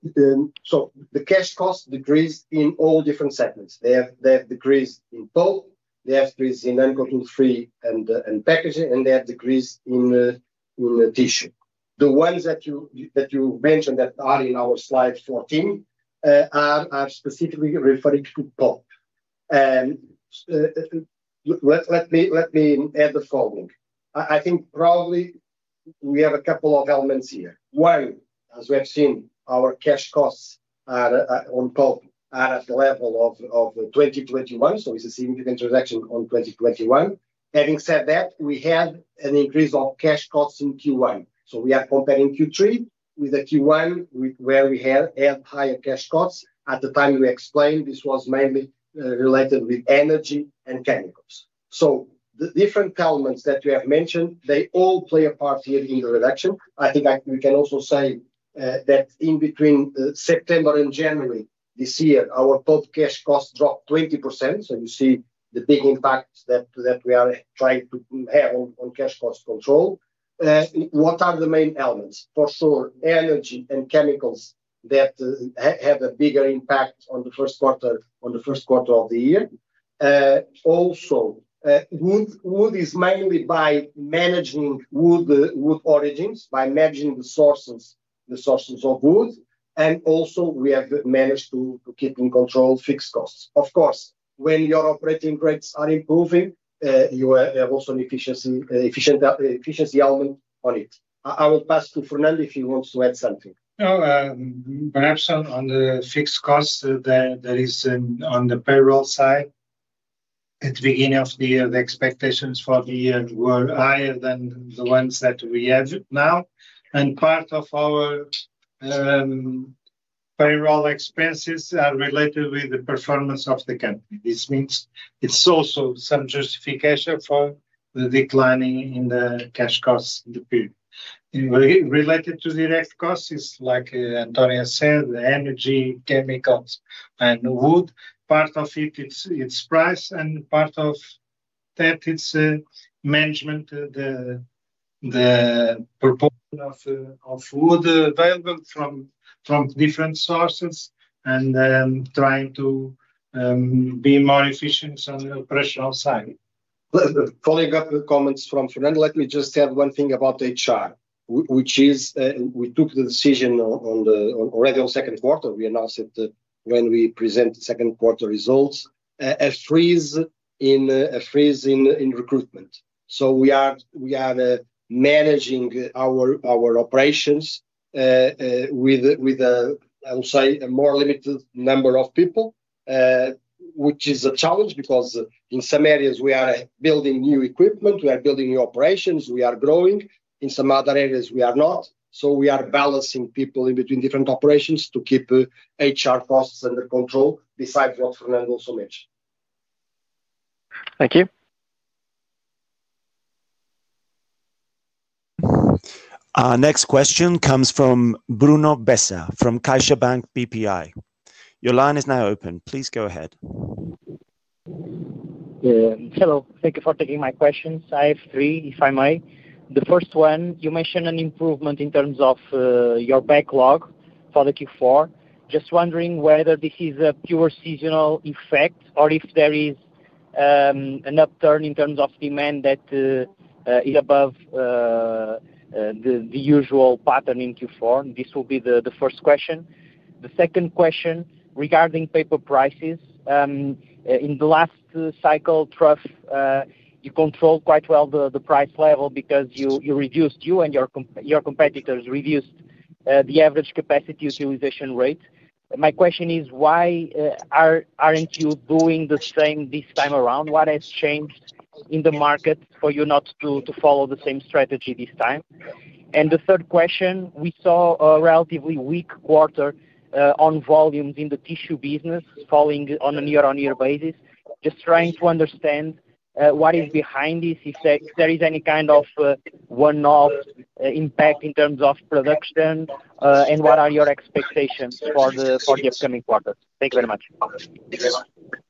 The cash cost decreased in all different segments. They have decreased in pulp, they have decreased in uncoated free and packaging, and they have decreased in tissue. The ones that you mentioned that are in our slide 14 are specifically referring to pulp. Let me add the following. I think probably we have a couple of elements here. One, as we have seen, our cash costs on pulp are at the level of 2021. It is a significant reduction on 2021. Having said that, we had an increase of cash costs in Q1. We are comparing Q3 with Q1 where we had higher cash costs. At the time we explained, this was mainly related with energy and chemicals. The different elements that you have mentioned, they all play a part here in the reduction. I think we can also say that in between September and January this year, our pulp cash costs dropped 20%. You see the big impact that we are trying to have on cash cost control. What are the main elements? For sure, energy and chemicals that have a bigger impact on the first quarter of the year. Also, wood is mainly by managing wood origins, by managing the sources of wood. We have managed to keep in control fixed costs. Of course, when your operating rates are improving, you have also an efficiency element on it. I will pass to Fernando if he wants to add something. Perhaps on the fixed costs that is on the payroll side, at the beginning of the year, the expectations for the year were higher than the ones that we have now. Part of our payroll expenses are related with the performance of the company. This means it's also some justification for the decline in the cash costs in the period. Related to direct costs, it's like António said, the energy, chemicals, and wood. Part of it, it's price, and part of that, it's management, the proportion of wood available from different sources and trying to be more efficient on the operational side. Following up the comments from Fernando, let me just add one thing about HR, which is we took the decision already in the second quarter. We announced it when we presented the second quarter results, a freeze in recruitment. We are managing our operations with, I would say, a more limited number of people, which is a challenge because in some areas, we are building new equipment, we are building new operations, we are growing. In some other areas, we are not. We are balancing people in between different operations to keep HR costs under control, besides what Fernando also mentioned. Thank you. Next question comes from Bruno Bessa from CaixaBank BPI. Your line is now open. Please go ahead. Hello. Thank you for taking my questions. I have three, if I may. The first one, you mentioned an improvement in terms of your backlog for Q4. Just wondering whether this is a pure seasonal effect or if there is an upturn in terms of demand that is above the usual pattern in Q4. This will be the first question. The second question regarding paper prices. In the last cycle, you controlled quite well the price level because you and your competitors reduced the average capacity utilization rate. My question is, why aren't you doing the same this time around? What has changed in the market for you not to follow the same strategy this time? The third question, we saw a relatively weak quarter on volumes in the tissue business falling on a year-on-year basis. Just trying to understand what is behind this, if there is any kind of one-off impact in terms of production, and what are your expectations for the upcoming quarter? Thank you very much.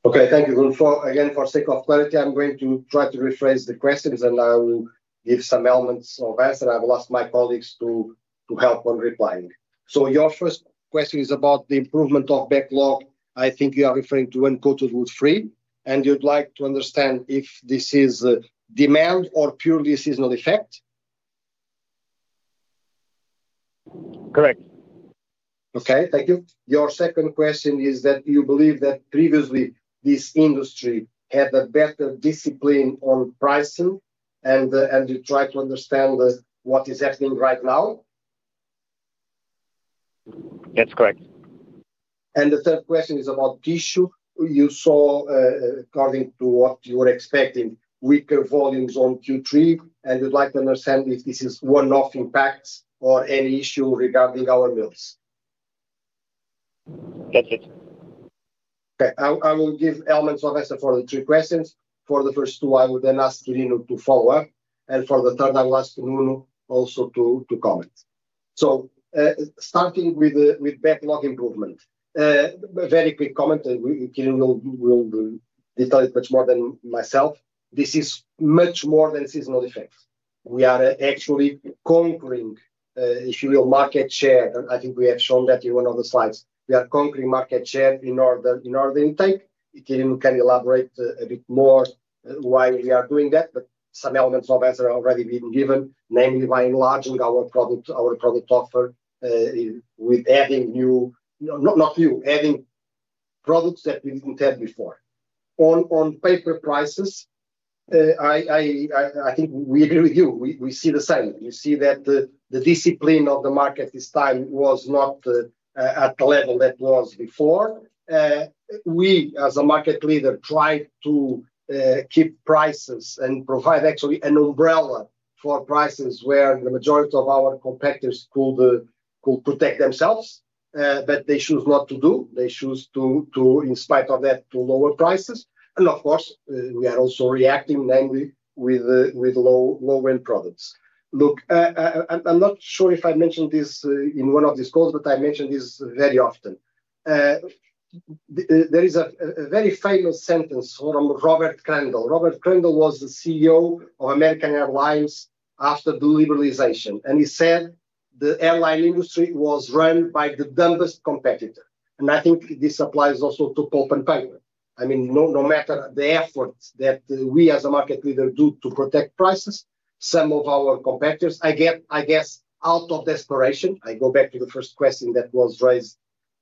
Okay. Thank you. Again, for the sake of clarity, I'm going to try to rephrase the questions, and I will give some elements of answer. I've asked my colleagues to help on replying. Your first question is about the improvement of backlog. I think you are referring to uncoated wood free, and you'd like to understand if this is demand or purely a seasonal effect? Correct. Okay. Thank you. Your second question is that you believe that previously this industry had a better discipline on pricing, and you try to understand what is happening right now? That's correct. The third question is about tissue. You saw, according to what you were expecting, weaker volumes on Q3, and you'd like to understand if this is one-off impacts or any issue regarding our mills. That's it. Okay. I will give elements of answer for the three questions. For the first two, I would then ask Quirino to follow up, and for the third, I will ask Nuno also to comment. Starting with backlog improvement, a very quick comment, and Quirino will detail it much more than myself. This is much more than a seasonal effect. We are actually conquering, if you will, market share, and I think we have shown that in one of the slides. We are conquering market share in order to take. Quirino can elaborate a bit more why we are doing that, but some elements of answer are already being given, namely by enlarging our product offer with adding new, not new, adding products that we didn't have before. On paper prices, I think we agree with you. We see the same. We see that the discipline of the market this time was not at the level that was before. We, as a market leader, tried to keep prices and provide actually an umbrella for prices where the majority of our competitors could protect themselves, but they chose not to do. They chose to, in spite of that, to lower prices. Of course, we are also reacting, namely with low-end products. Look, I'm not sure if I mentioned this in one of these calls, but I mention this very often. There is a very famous sentence from Robert Crandall. Robert Crandall was the CEO of American Airlines after the liberalization, and he said the airline industry was run by the dumbest competitor. I think this applies also to pulp and paper. I mean, no matter the efforts that we, as a market leader, do to protect prices, some of our competitors, I guess, out of desperation, I go back to the first question that was raised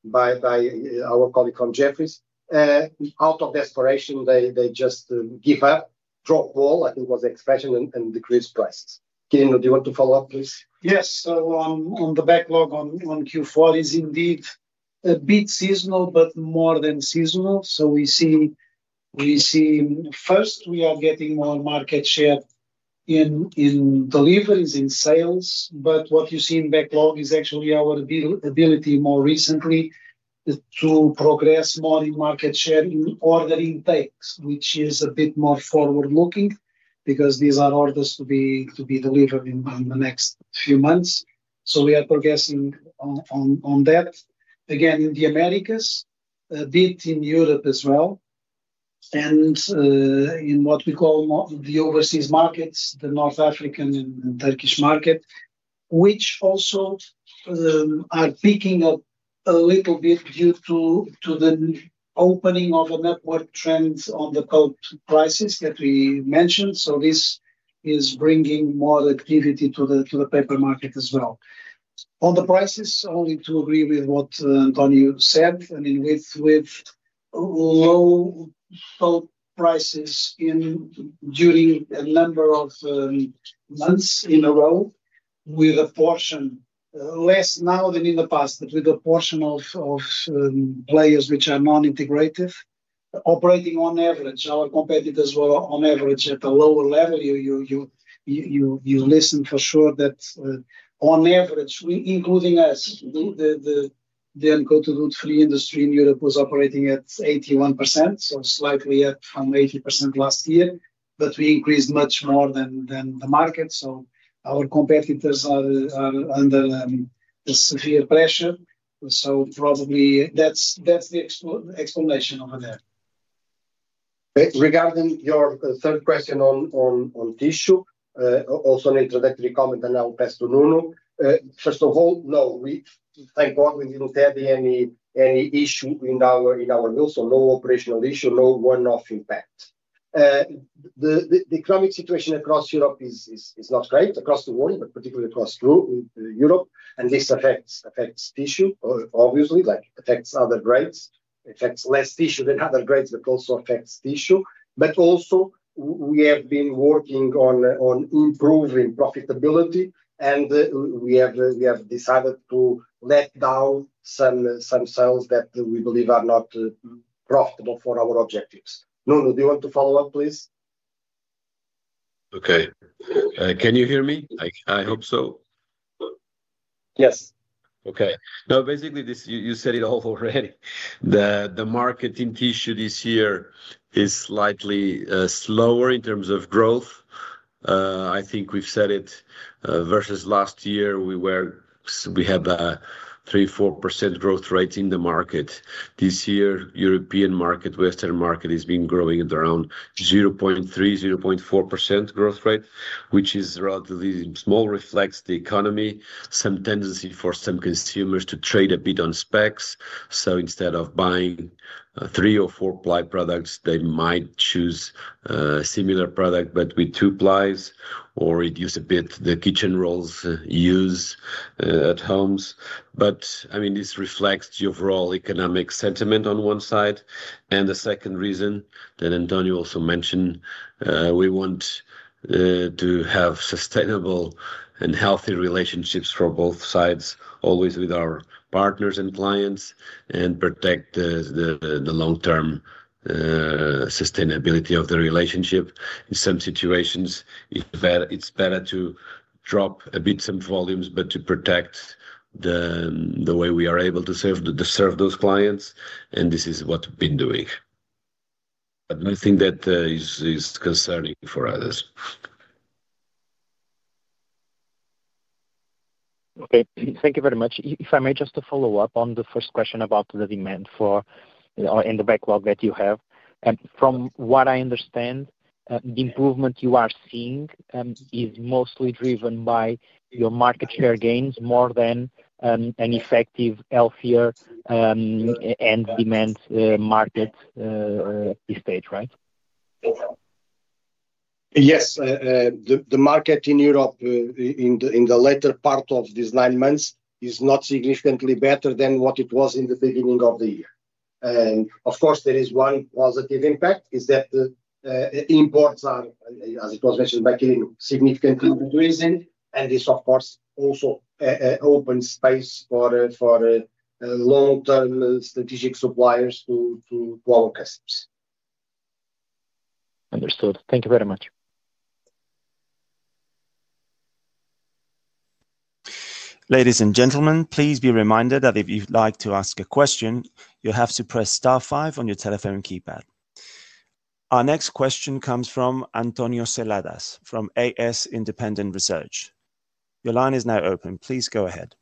by our colleague from Jefferies. Out of desperation, they just give up, drop wall, I think was the expression, and decrease prices. Quirino, do you want to follow up, please? Yes. On the backlog on Q4, it is indeed a bit seasonal, but more than seasonal. We see, first, we are getting more market share in deliveries, in sales, but what you see in backlog is actually our ability more recently to progress more in market share in ordering takes, which is a bit more forward-looking because these are orders to be delivered in the next few months. We are progressing on that. In the Americas, a bit in Europe as well, and in what we call the overseas markets, the North African and Turkish market, which also are picking up a little bit due to the opening of a network trend on the pulp prices that we mentioned. This is bringing more activity to the paper market as well. On the prices, only to agree with what António said, with low pulp prices during a number of months in a row, with a portion, less now than in the past, but with a portion of players which are non-integrative, operating on average, our competitors were on average at a lower level. You listen for sure that on average, including us, the uncoated wood free industry in Europe was operating at 81%, slightly up from 80% last year, but we increased much more than the market. Our competitors are under a severe pressure. Probably that's the explanation over there. Okay. Regarding your third question on tissue, also an introductory comment, and I'll pass to Nuno. First of all, no, we thank God we didn't have any issue in our mill, so no operational issue, no one-off impact. The economic situation across Europe is not great, across the world, particularly across Europe, and this affects tissue, obviously, like affects other grades, affects less tissue than other grades, but also affects tissue. We have been working on improving profitability, and we have decided to let down some cells that we believe are not profitable for our objectives. Nuno, do you want to follow up, please? Okay, can you hear me? I hope so. Yes. Okay. No, basically, you said it all already. The market in tissue this year is slightly slower in terms of growth. I think we've said it versus last year, we have a 3%-4% growth rate in the market. This year, European market, Western market has been growing at around 0.3%, 0.4% growth rate, which is relatively small, reflects the economy. Some tendency for some consumers to trade a bit on specs. Instead of buying three or four-ply products, they might choose a similar product, but with two plies or reduce a bit the kitchen rolls used at homes. This reflects the overall economic sentiment on one side. The second reason that António also mentioned, we want to have sustainable and healthy relationships for both sides, always with our partners and clients, and protect the long-term sustainability of the relationship. In some situations, it's better to drop a bit some volumes to protect the way we are able to serve those clients. This is what we've been doing. Nothing that is concerning for others. Okay. Thank you very much. If I may just follow up on the first question about the demand for or in the backlog that you have. From what I understand, the improvement you are seeing is mostly driven by your market share gains more than an effective, healthier, and demand market at this stage, right? The market in Europe in the latter part of these nine months is not significantly better than what it was in the beginning of the year. There is one positive impact, which is that the imports are, as it was mentioned back in the beginning, significantly decreasing. This also opens space for long-term strategic suppliers to our customers. Understood. Thank you very much. Ladies and gentlemen, please be reminded that if you'd like to ask a question, you have to press star five on your telephone keypad. Our next question comes from António Seladas, from AS Independent Research. Your line is now open. Please go ahead.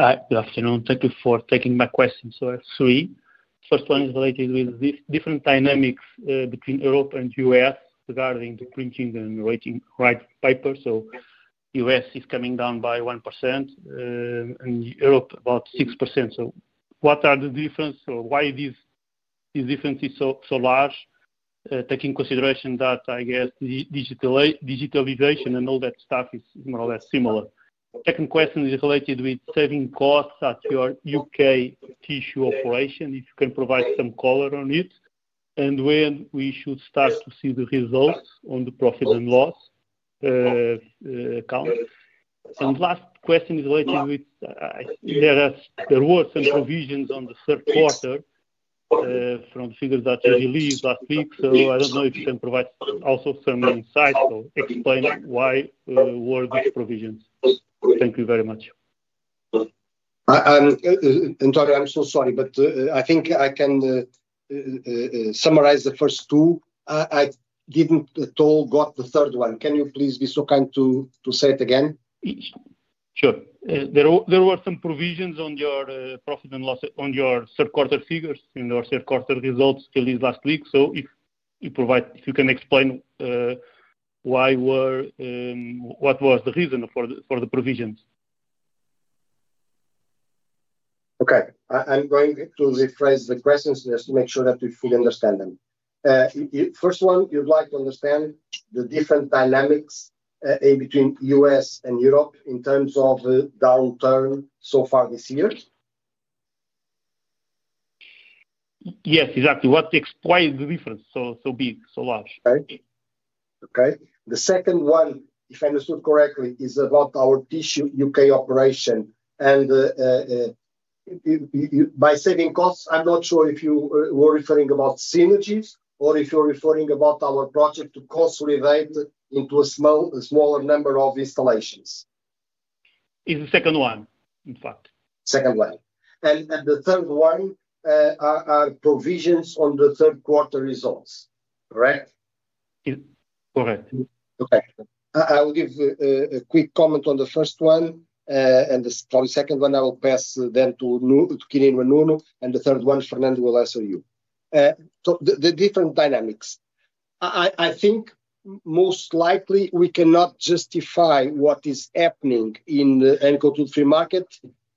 Hi. Good afternoon. Thank you for taking my questions. I have three. The first one is related with different dynamics between Europe and the U.S. regarding the crimson rating paper. The U.S. is coming down by 1%, and Europe, about 6%. What are the differences or why are these differences so large, taking into consideration that, I guess, the digitalization and all that stuff is more or less similar? The second question is related with saving costs at your U.K. tissue operation, if you can provide some color on it, and when we should start to see the results on the profit and loss account. The last question is related with there were some provisions on the third quarter from the figures that you released last week. I don't know if you can provide also some insights or explain why were these provisions. Thank you very much. Antonio, I'm so sorry, but I think I can summarize the first two. I didn't at all get the third one. Can you please be so kind to say it again? There were some provisions on your profit and loss on your third quarter figures in your third quarter results released last week. If you can explain why, what was the reason for the provisions. Okay. I'm going to rephrase the questions just to make sure that we fully understand them. First one, you'd like to understand the different dynamics in between U.S. and Europe in terms of the downturn so far this year? Yes, exactly. What explains the difference so big, so large? Okay. The second one, if I understood correctly, is about our Tissue UK operation. By saving costs, I'm not sure if you were referring to synergies or if you're referring to our project to consolidate into a smaller number of installations. It's the second one, in fact. Second one, and the third one are provisions on the third quarter results, correct? Correct. Okay. I will give a quick comment on the first one. The probably second one, I will pass then to Nuno and Nuno. The third one, Fernando will answer you. The different dynamics. I think most likely we cannot justify what is happening in the NCO2 free market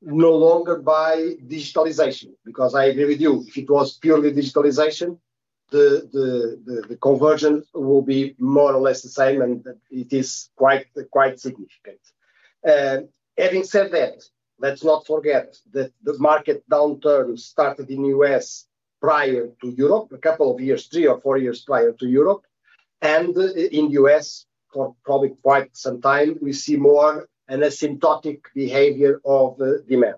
no longer by digitalization because I agree with you. If it was purely digitalization, the conversion will be more or less the same, and it is quite significant. Having said that, let's not forget that the market downturn started in the U.S. prior to Europe, a couple of years, three or four years prior to Europe. In the U.S., for probably quite some time, we see more an asymptotic behavior of demand.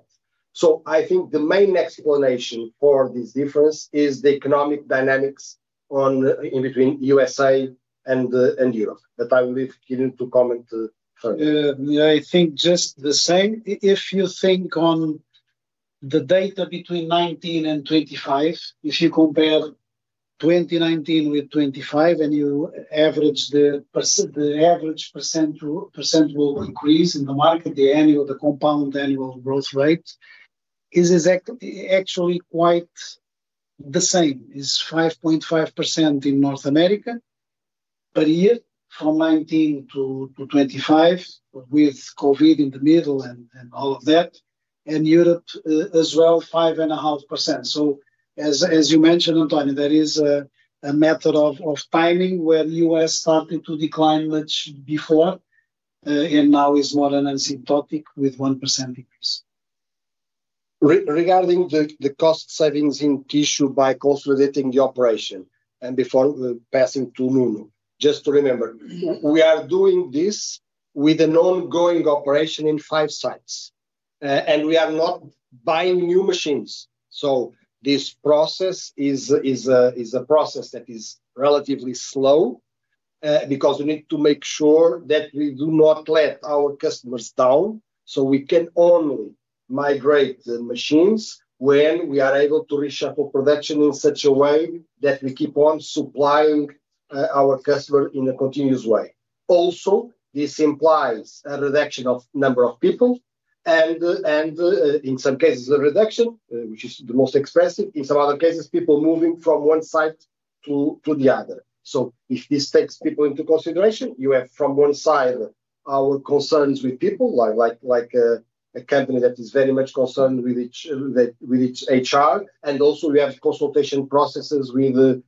I think the main explanation for this difference is the economic dynamics in between the U.S.A. and Europe. I will leave Nuno to comment further. I think just the same. If you think on the data between 2019 and 2025, if you compare 2019 with 2025 and you average the average percentual increase in the market, the annual, the compound annual growth rate is actually quite the same. It's 5.5% in North America per year from 2019-2025 with COVID in the middle and all of that. Europe as well, 5.5%. As you mentioned, António, there is a matter of timing where the U.S. started to decline much before, and now it's more an asymptotic with 1% increase. Regarding the cost savings in tissue by consolidating the operation, and before passing to Nuno, just to remember, we are doing this with an ongoing operation in five sites. We are not buying new machines. This process is a process that is relatively slow because we need to make sure that we do not let our customers down. We can only migrate the machines when we are able to reshuffle production in such a way that we keep on supplying our customers in a continuous way. This also implies a reduction of the number of people, and in some cases, a reduction, which is the most expensive. In some other cases, people moving from one site to the other. If this takes people into consideration, you have from one side our concerns with people, like a company that is very much concerned with each HR, and also we have consultation processes with the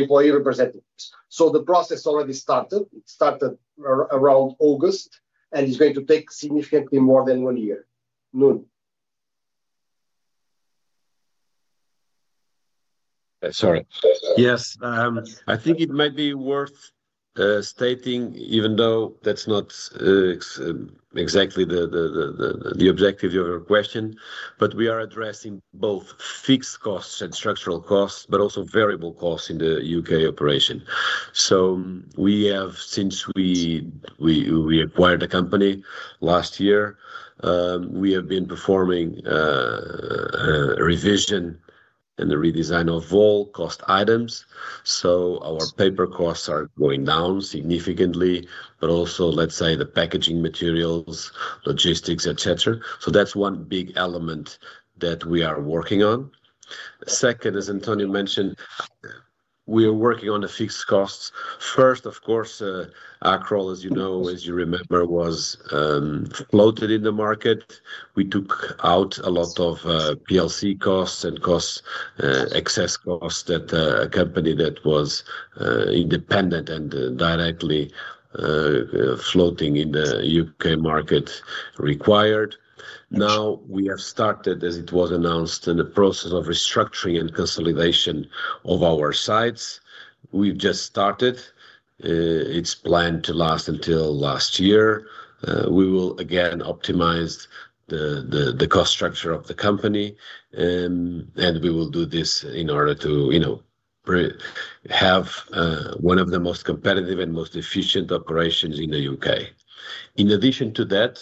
employee representatives. The process already started. It started around August and is going to take significantly more than one year. Nuno. Yes. I think it might be worth stating, even though that's not exactly the objective of your question, but we are a.ddressing both fixed costs and structural costs, but also variable costs in the U.K. operation. We have, since we acquired the company last year, been performing a revision and a redesign of all cost items. Our paper costs are going down significantly, but also, let's say, the packaging materials, logistics, etc. That's one big element that we are working on. Second, as António mentioned, we are working on the fixed costs. First, of course, Accrol, as you know, as you remember, was floated in the market. We took out a lot of PLC costs and excess costs that a company that was independent and directly floating in the U.K. market required. Now, we have started, as it was announced, the process of restructuring and consolidation of our sites. We've just started. It's planned to last until last year. We will again optimize the cost structure of the company, and we will do this in order to have one of the most competitive and most efficient operations in the U.K. In addition to that,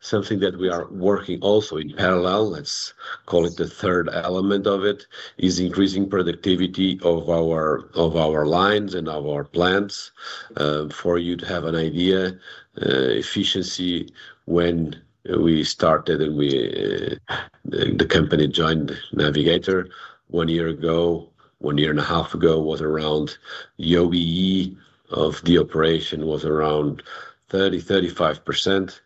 something that we are working also in parallel, let's call it the third element of it, is increasing productivity of our lines and of our plants. For you to have an idea, efficiency when we started and the company joined Navigator one year ago, one year and a half ago, was around the OEE of the operation was around 30%-35%.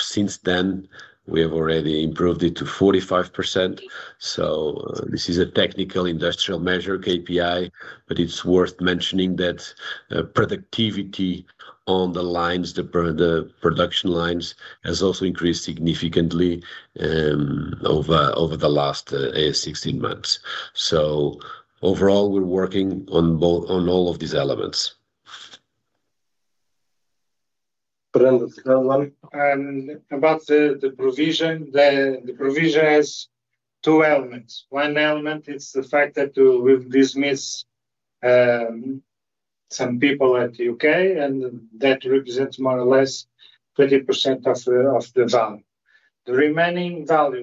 Since then, we have already improved it to 45%. This is a technical industrial measure KPI, but it's worth mentioning that productivity on the lines, the production lines, has also increased significantly over the last 16 months. Overall, we're working on all of these elements. Fernando, the third one. About the provision, the provision has two elements. One element is the fact that we've dismissed some people at the U.K., and that represents more or less 20% of the value. The remaining value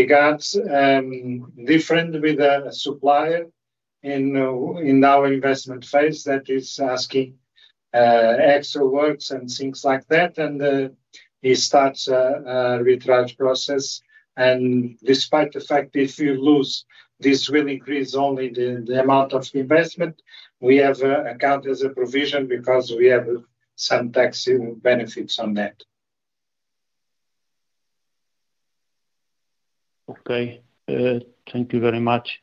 regards a difference with a supplier in our investment phase that is asking extra works and things like that. He starts a retriage process. Despite the fact if you lose, this will increase only the amount of investment. We have accounted as a provision because we have some tax benefits on that. Okay. Thank you very much.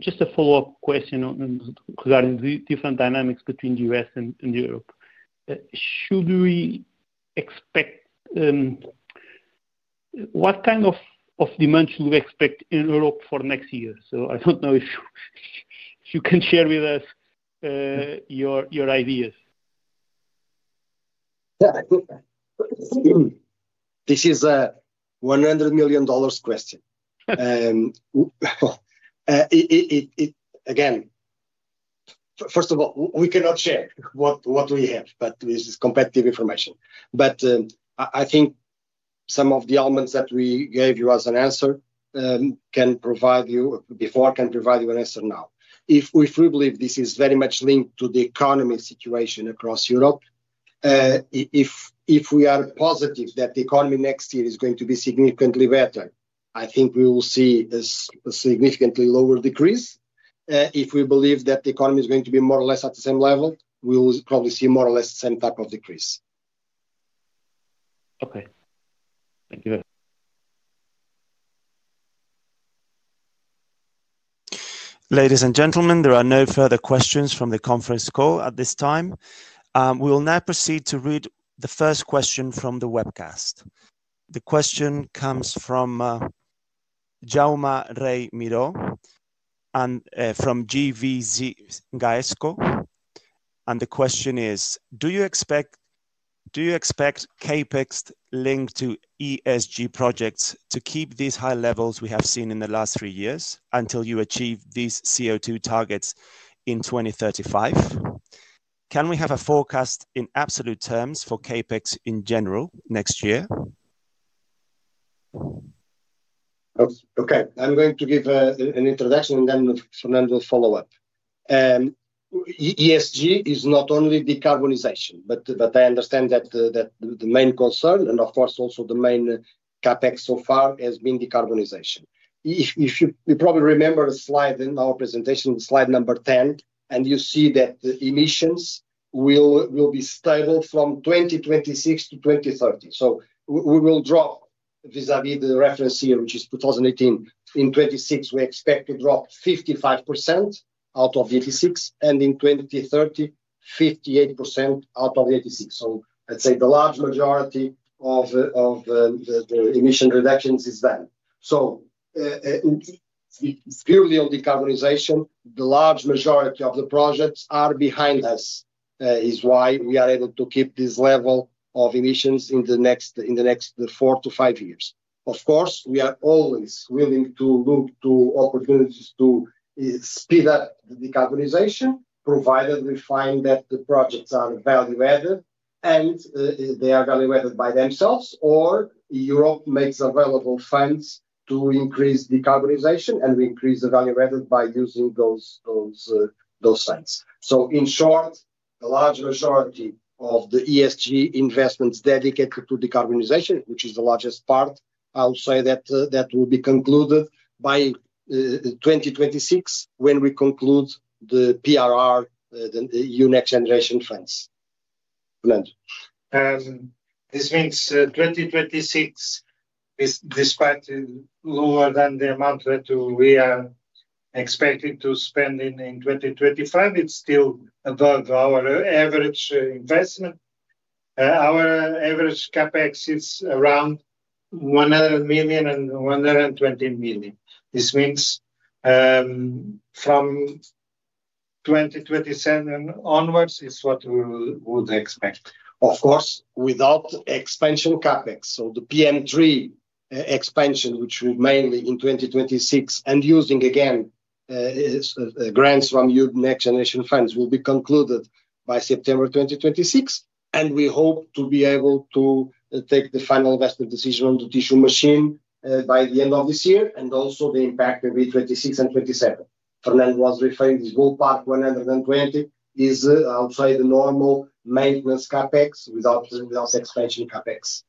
Just a follow-up question regarding the different dynamics between the U.S. and Europe. Should we expect what kind of demand should we expect in Europe for next year? I don't know if you can share with us your ideas. This is a $100 million question. First of all, we cannot share what we have, as this is competitive information. I think some of the elements that we gave you as an answer before can provide you an answer now. If we believe this is very much linked to the economy situation across Europe, if we are positive that the economy next year is going to be significantly better, I think we will see a significantly lower decrease. If we believe that the economy is going to be more or less at the same level, we will probably see more or less the same type of decrease. Okay. Thank you. Ladies and gentlemen, there are no further questions from the conference call at this time. We will now proceed to read the first question from the webcast. The question comes from Jaume Rey Miró from GVC Gaesco. The question is, do you expect CapEx linked to ESG projects to keep these high levels we have seen in the last three years until you achieve these CO2 targets in 2035? Can we have a forecast in absolute terms for CapEx in general next year? Okay. I'm going to give an introduction and then Fernando will follow up. ESG is not only decarbonization, but I understand that the main concern, and of course, also the main CapEx so far has been decarbonization. If you probably remember the slide in our presentation, slide number 10, and you see that emissions will be stable from 2026-2030. We will drop vis-à-vis the reference year, which is 2018. In 2026, we expect to drop 55% out of the 86, and in 2030, 58% out of the 86. I'd say the large majority of the emission reductions is done. Purely on decarbonization, the large majority of the projects are behind us, which is why we are able to keep this level of emissions in the next four to five years. Of course, we are always willing to look to opportunities to speed up the decarbonization, provided we find that the projects are value-added and they are value-added by themselves, or Europe makes available funds to increase decarbonization and we increase the value added by using those funds. In short, the large majority of the ESG investments dedicated to decarbonization, which is the largest part, I will say that that will be concluded by 2026 when we conclude the PRR, the new Next Generation EU funds. Fernando. This means 2026, despite lower than the amount that we are expected to spend in 2025, it's still above our average investment. Our average CapEx is around 100 million and 120 million. This means from 2027 onwards, it's what we would expect. Of course, without expansion CapEx. The PM3 expansion, which will be mainly in 2026 and using again grants from Next Generation EU funds, will be concluded by September 2026. We hope to be able to take the final investment decision on the tissue machine by the end of this year and also the impact in week 26 and 27. Fernando was referring to this whole part. 120 is, I'll say, the normal maintenance CapEx without expansion CapEx.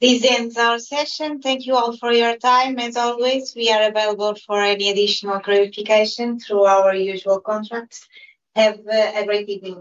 This ends our session. Thank you all for your time. As always, we are available for any additional clarification through our usual contacts. Have a great evening.